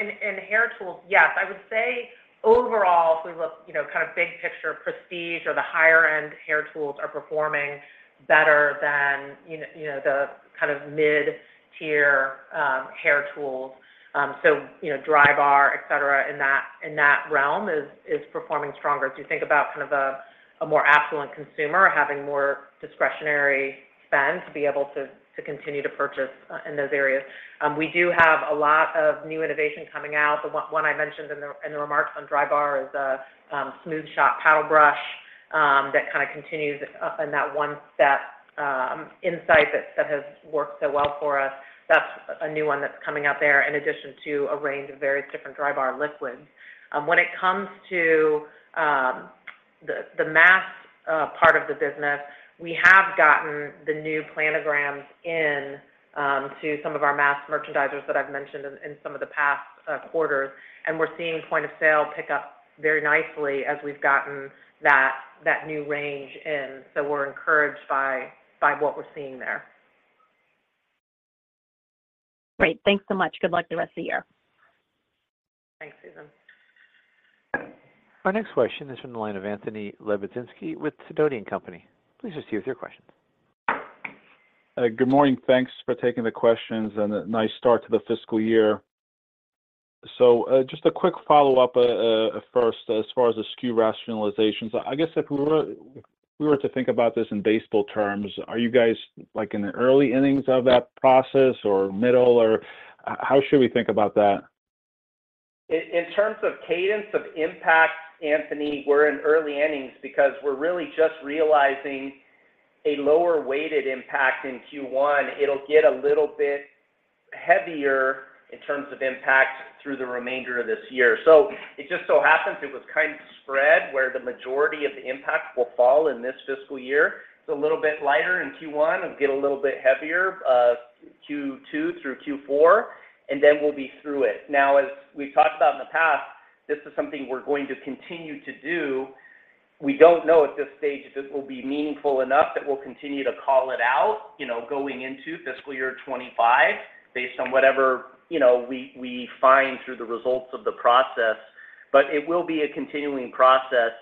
Speaker 4: In hair tools, yes. I would say overall, if we look, you know, kind of big picture, Prestige or the higher-end hair tools are performing better than, you know, the kind of mid-tier hair tools. Drybar, et cetera, in that realm is performing stronger. As you think about kind of a more affluent consumer having more discretionary spend to be able to continue to purchase in those areas. We do have a lot of new innovation coming out. The one I mentioned in the remarks on Drybar is Smooth Shot Paddle Brush, that kind of continues up in that one-step insight that has worked so well for us. That's a new one that's coming out there, in addition to a range of various different Drybar liquids. When it comes to the mass part of the business, we have gotten the new planograms in to some of our mass merchandisers that I've mentioned in some of the past quarters, and we're seeing point of sale pick up very nicely as we've gotten that new range in. We're encouraged by what we're seeing there.
Speaker 10: Great. Thanks so much. Good luck the rest of the year.
Speaker 4: Thanks, Susan.
Speaker 1: Our next question is from the line of Anthony Lebiedzinski with Sidoti & Company, LLC. Please just give us your question.
Speaker 11: Good morning. Thanks for taking the questions. A nice start to the fiscal year. Just a quick follow-up, first, as far as the SKU rationalizations. I guess if we were to think about this in baseball terms, are you guys, like, in the early innings of that process or middle, or how should we think about that?
Speaker 3: In terms of cadence of impact, Anthony, we're in early innings because we're really just realizing a lower weighted impact in Q1. It'll get a little bit heavier in terms of impact through the remainder of this year. It just so happens it was kind of spread where the majority of the impact will fall in this fiscal year. It's a little bit lighter in Q1. It'll get a little bit heavier, Q2 through Q4, and then we'll be through it. As we've talked about in the past, this is something we're going to continue to do. We don't know at this stage if it will be meaningful enough that we'll continue to call it out, you know, going into fiscal year 2025, based on whatever, you know, we find through the results of the process, but it will be a continuing process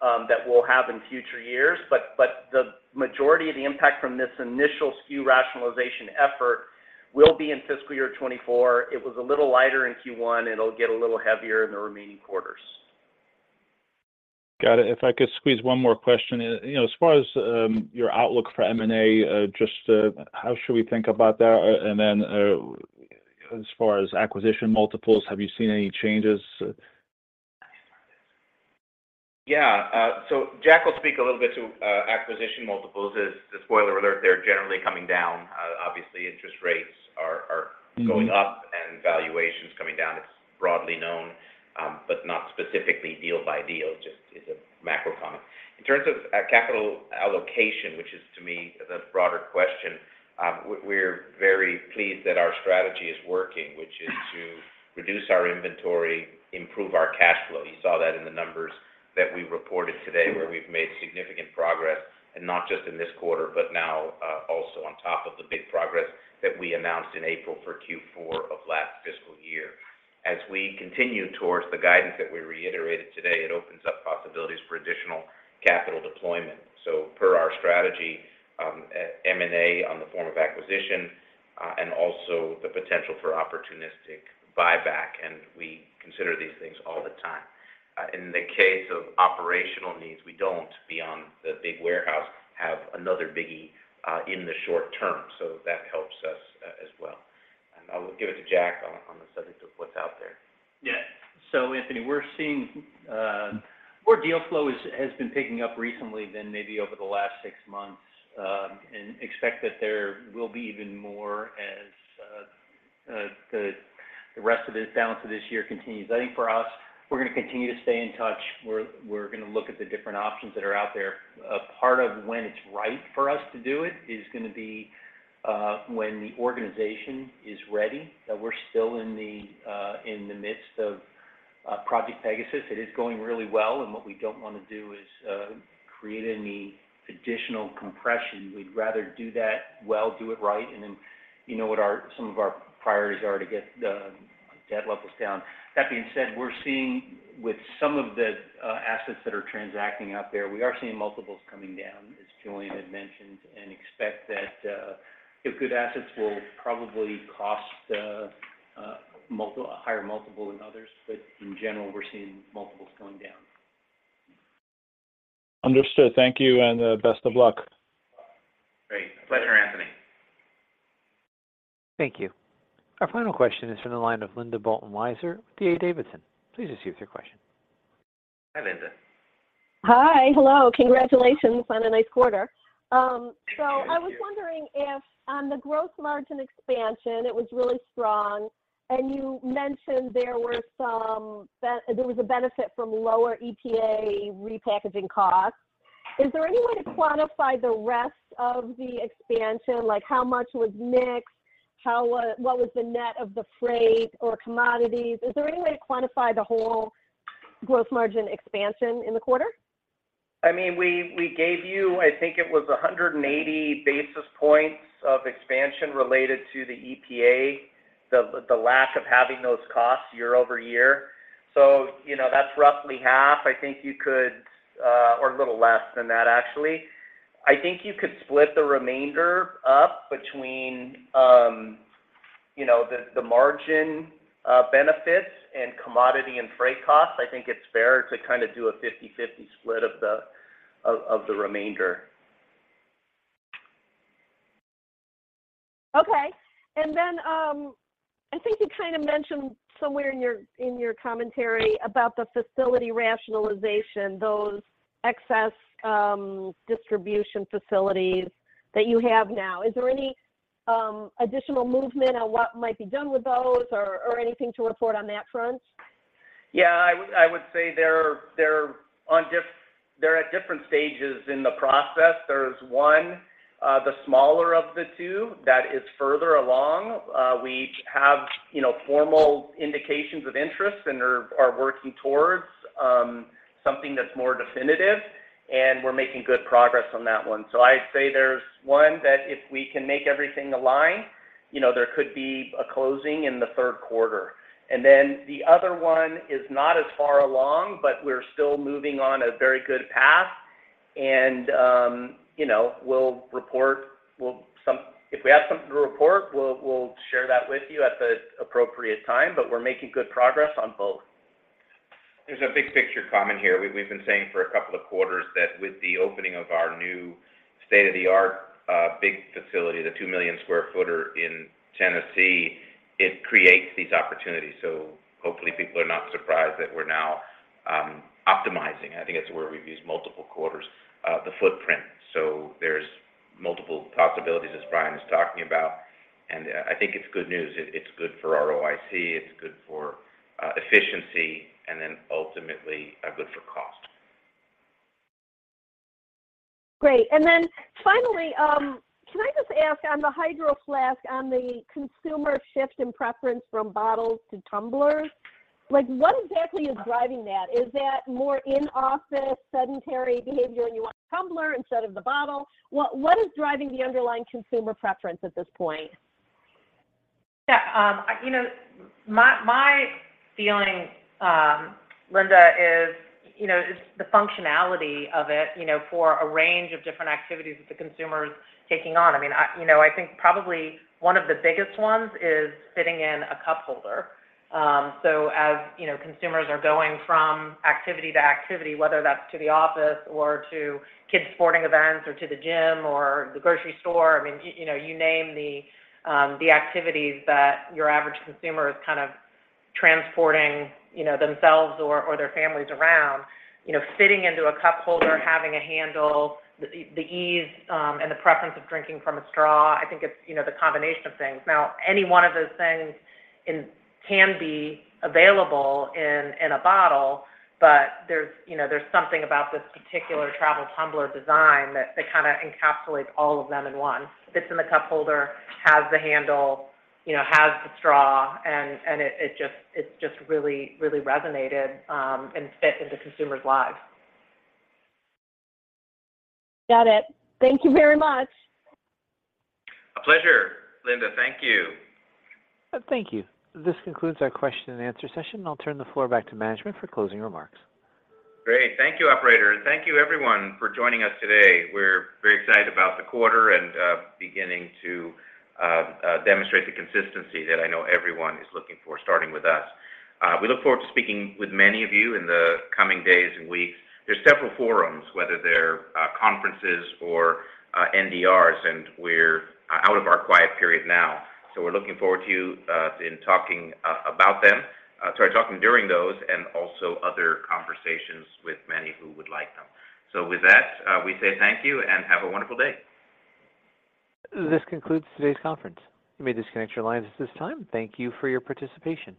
Speaker 3: that we'll have in future years. The majority of the impact from this initial SKU rationalization effort will be in fiscal year 2024. It was a little lighter in Q1, it'll get a little heavier in the remaining quarters.
Speaker 11: Got it. If I could squeeze one more question. You know, as far as your outlook for M&A, just how should we think about that? As far as acquisition multiples, have you seen any changes?
Speaker 3: Yeah. Jack will speak a little bit to acquisition multiples. As the spoiler alert, they're generally coming down. Obviously, interest rates are going up and valuations coming down. It's broadly known, not specifically deal by deal, just is a macro comment. In terms of capital allocation, which is to me, the broader question, we're very pleased that our strategy is working, which is to reduce our inventory, improve our cash flow. You saw that in the numbers that we reported today, where we've made significant progress, and not just in this quarter, but now, also on top of the big progress that we announced in April for Q4 of last fiscal year. We continue towards the guidance that we reiterated today, it opens up possibilities for additional capital deployment. Per our strategy, at M&A on the form of acquisition, and also the potential for opportunistic buyback, and we consider these things all the time. In the case of operational needs, we don't, beyond the big warehouse, have another biggie, in the short term, so that helps us, as well. I will give it to Jack on the subject of what's out there.
Speaker 2: Yeah. Anthony, we're seeing more deal flow has been picking up recently than maybe over the last six months, and expect that there will be even more as the rest of this balance of this year continues. I think for us, we're gonna continue to stay in touch. We're gonna look at the different options that are out there. A part of when it's right for us to do it is gonna be when the organization is ready, that we're still in the midst of Project Pegasus. It is going really well, and what we don't wanna do is create any additional compression. We'd rather do that well, do it right, and then you know what some of our priorities are to get the debt levels down. That being said, we're seeing with some of the assets that are transacting out there, we are seeing multiples coming down, as Julien had mentioned, and expect that, if good assets will probably cost a higher multiple than others, but in general, we're seeing multiples going down.
Speaker 11: Understood. Thank you, and best of luck.
Speaker 3: Great. Pleasure, Anthony.
Speaker 1: Thank you. Our final question is from the line of Linda Bolton Weiser with D.A. Davidson. Please proceed with your question.
Speaker 3: Hi, Linda.
Speaker 12: Hi. Hello. Congratulations on a nice quarter.
Speaker 3: Thank you.
Speaker 12: I was wondering if on the gross margin expansion, it was really strong, and you mentioned there was a benefit from lower EPA repackaging costs. Is there any way to quantify the rest of the expansion? Like, how much was mixed? What was the net of the freight or commodities? Is there any way to quantify the whole gross margin expansion in the quarter?
Speaker 3: I mean, we gave you, I think it was 180 basis points of expansion related to the EPA, the lack of having those costs year-over-year. You know, that's roughly half. I think you could, or a little less than that, actually. I think you could split the remainder up between, you know, the margin benefits and commodity and freight costs. I think it's fair to kind of do a 50/50 split of the remainder.
Speaker 12: Okay. I think you kind of mentioned somewhere in your, in your commentary about the facility rationalization, those excess distribution facilities that you have now. Is there any additional movement on what might be done with those or anything to report on that front?
Speaker 5: I would say they're at different stages in the process. There's one, the smaller of the two, that is further along. We have, you know, formal indications of interest and are working towards something that's more definitive, and we're making good progress on that one. I'd say there's one that if we can make everything align, you know, there could be a closing in the third quarter. The other one is not as far along, but we're still moving on a very good path, and, you know, we'll report, if we have something to report, we'll share that with you at the appropriate time, but we're making good progress on both.
Speaker 2: There's a big picture comment here. We've been saying for a couple of quarters that with the opening of our new state-of-the-art big facility, the 2 million square footer in Tennessee, it creates these opportunities. Hopefully people are not surprised that we're now optimizing. I think that's the word we've used multiple quarters, the footprint. There's multiple possibilities, as Brian is talking about. I think it's good news. It's good for ROIC, it's good for efficiency, and then ultimately good for cost.
Speaker 12: Great. Finally, can I just ask on the Hydro Flask, on the consumer shift in preference from bottles to tumblers, like, what exactly is driving that? Is that more in-office, sedentary behavior, and you want a tumbler instead of the bottle? What is driving the underlying consumer preference at this point?
Speaker 4: Yeah, You know, my feeling, Linda, is, you know, is the functionality of it, you know, for a range of different activities that the consumer is taking on. I mean, I, you know, I think probably one of the biggest ones is fitting in a cup holder. As, you know, consumers are going from activity to activity, whether that's to the office or to kids' sporting events or to the gym or the grocery store, I mean, you know, you name the activities that your average consumer is kind of transporting, you know, themselves or their families around. You know, fitting into a cup holder, having a handle, the ease, and the preference of drinking from a straw, I think it's, you know, the combination of things. Any one of those things can be available in a bottle, there's, you know, there's something about this particular travel tumbler design that they kinda encapsulate all of them in one. Fits in the cup holder, has the handle, you know, has the straw, and it just really resonated and fit into consumers' lives.
Speaker 12: Got it. Thank you very much.
Speaker 3: A pleasure, Linda. Thank you.
Speaker 1: Thank you. This concludes our question and answer session. I'll turn the floor back to management for closing remarks.
Speaker 3: Great. Thank you, operator, thank you everyone for joining us today. We're very excited about the quarter and beginning to demonstrate the consistency that I know everyone is looking for, starting with us. We look forward to speaking with many of you in the coming days and weeks. There's several forums, whether they're conferences or NDRs, and we're out of our quiet period now, so we're looking forward to you in talking about them. Sorry, talking during those and also other conversations with many who would like them. With that, we say thank you and have a wonderful day.
Speaker 1: This concludes today's conference. You may disconnect your lines at this time. Thank you for your participation.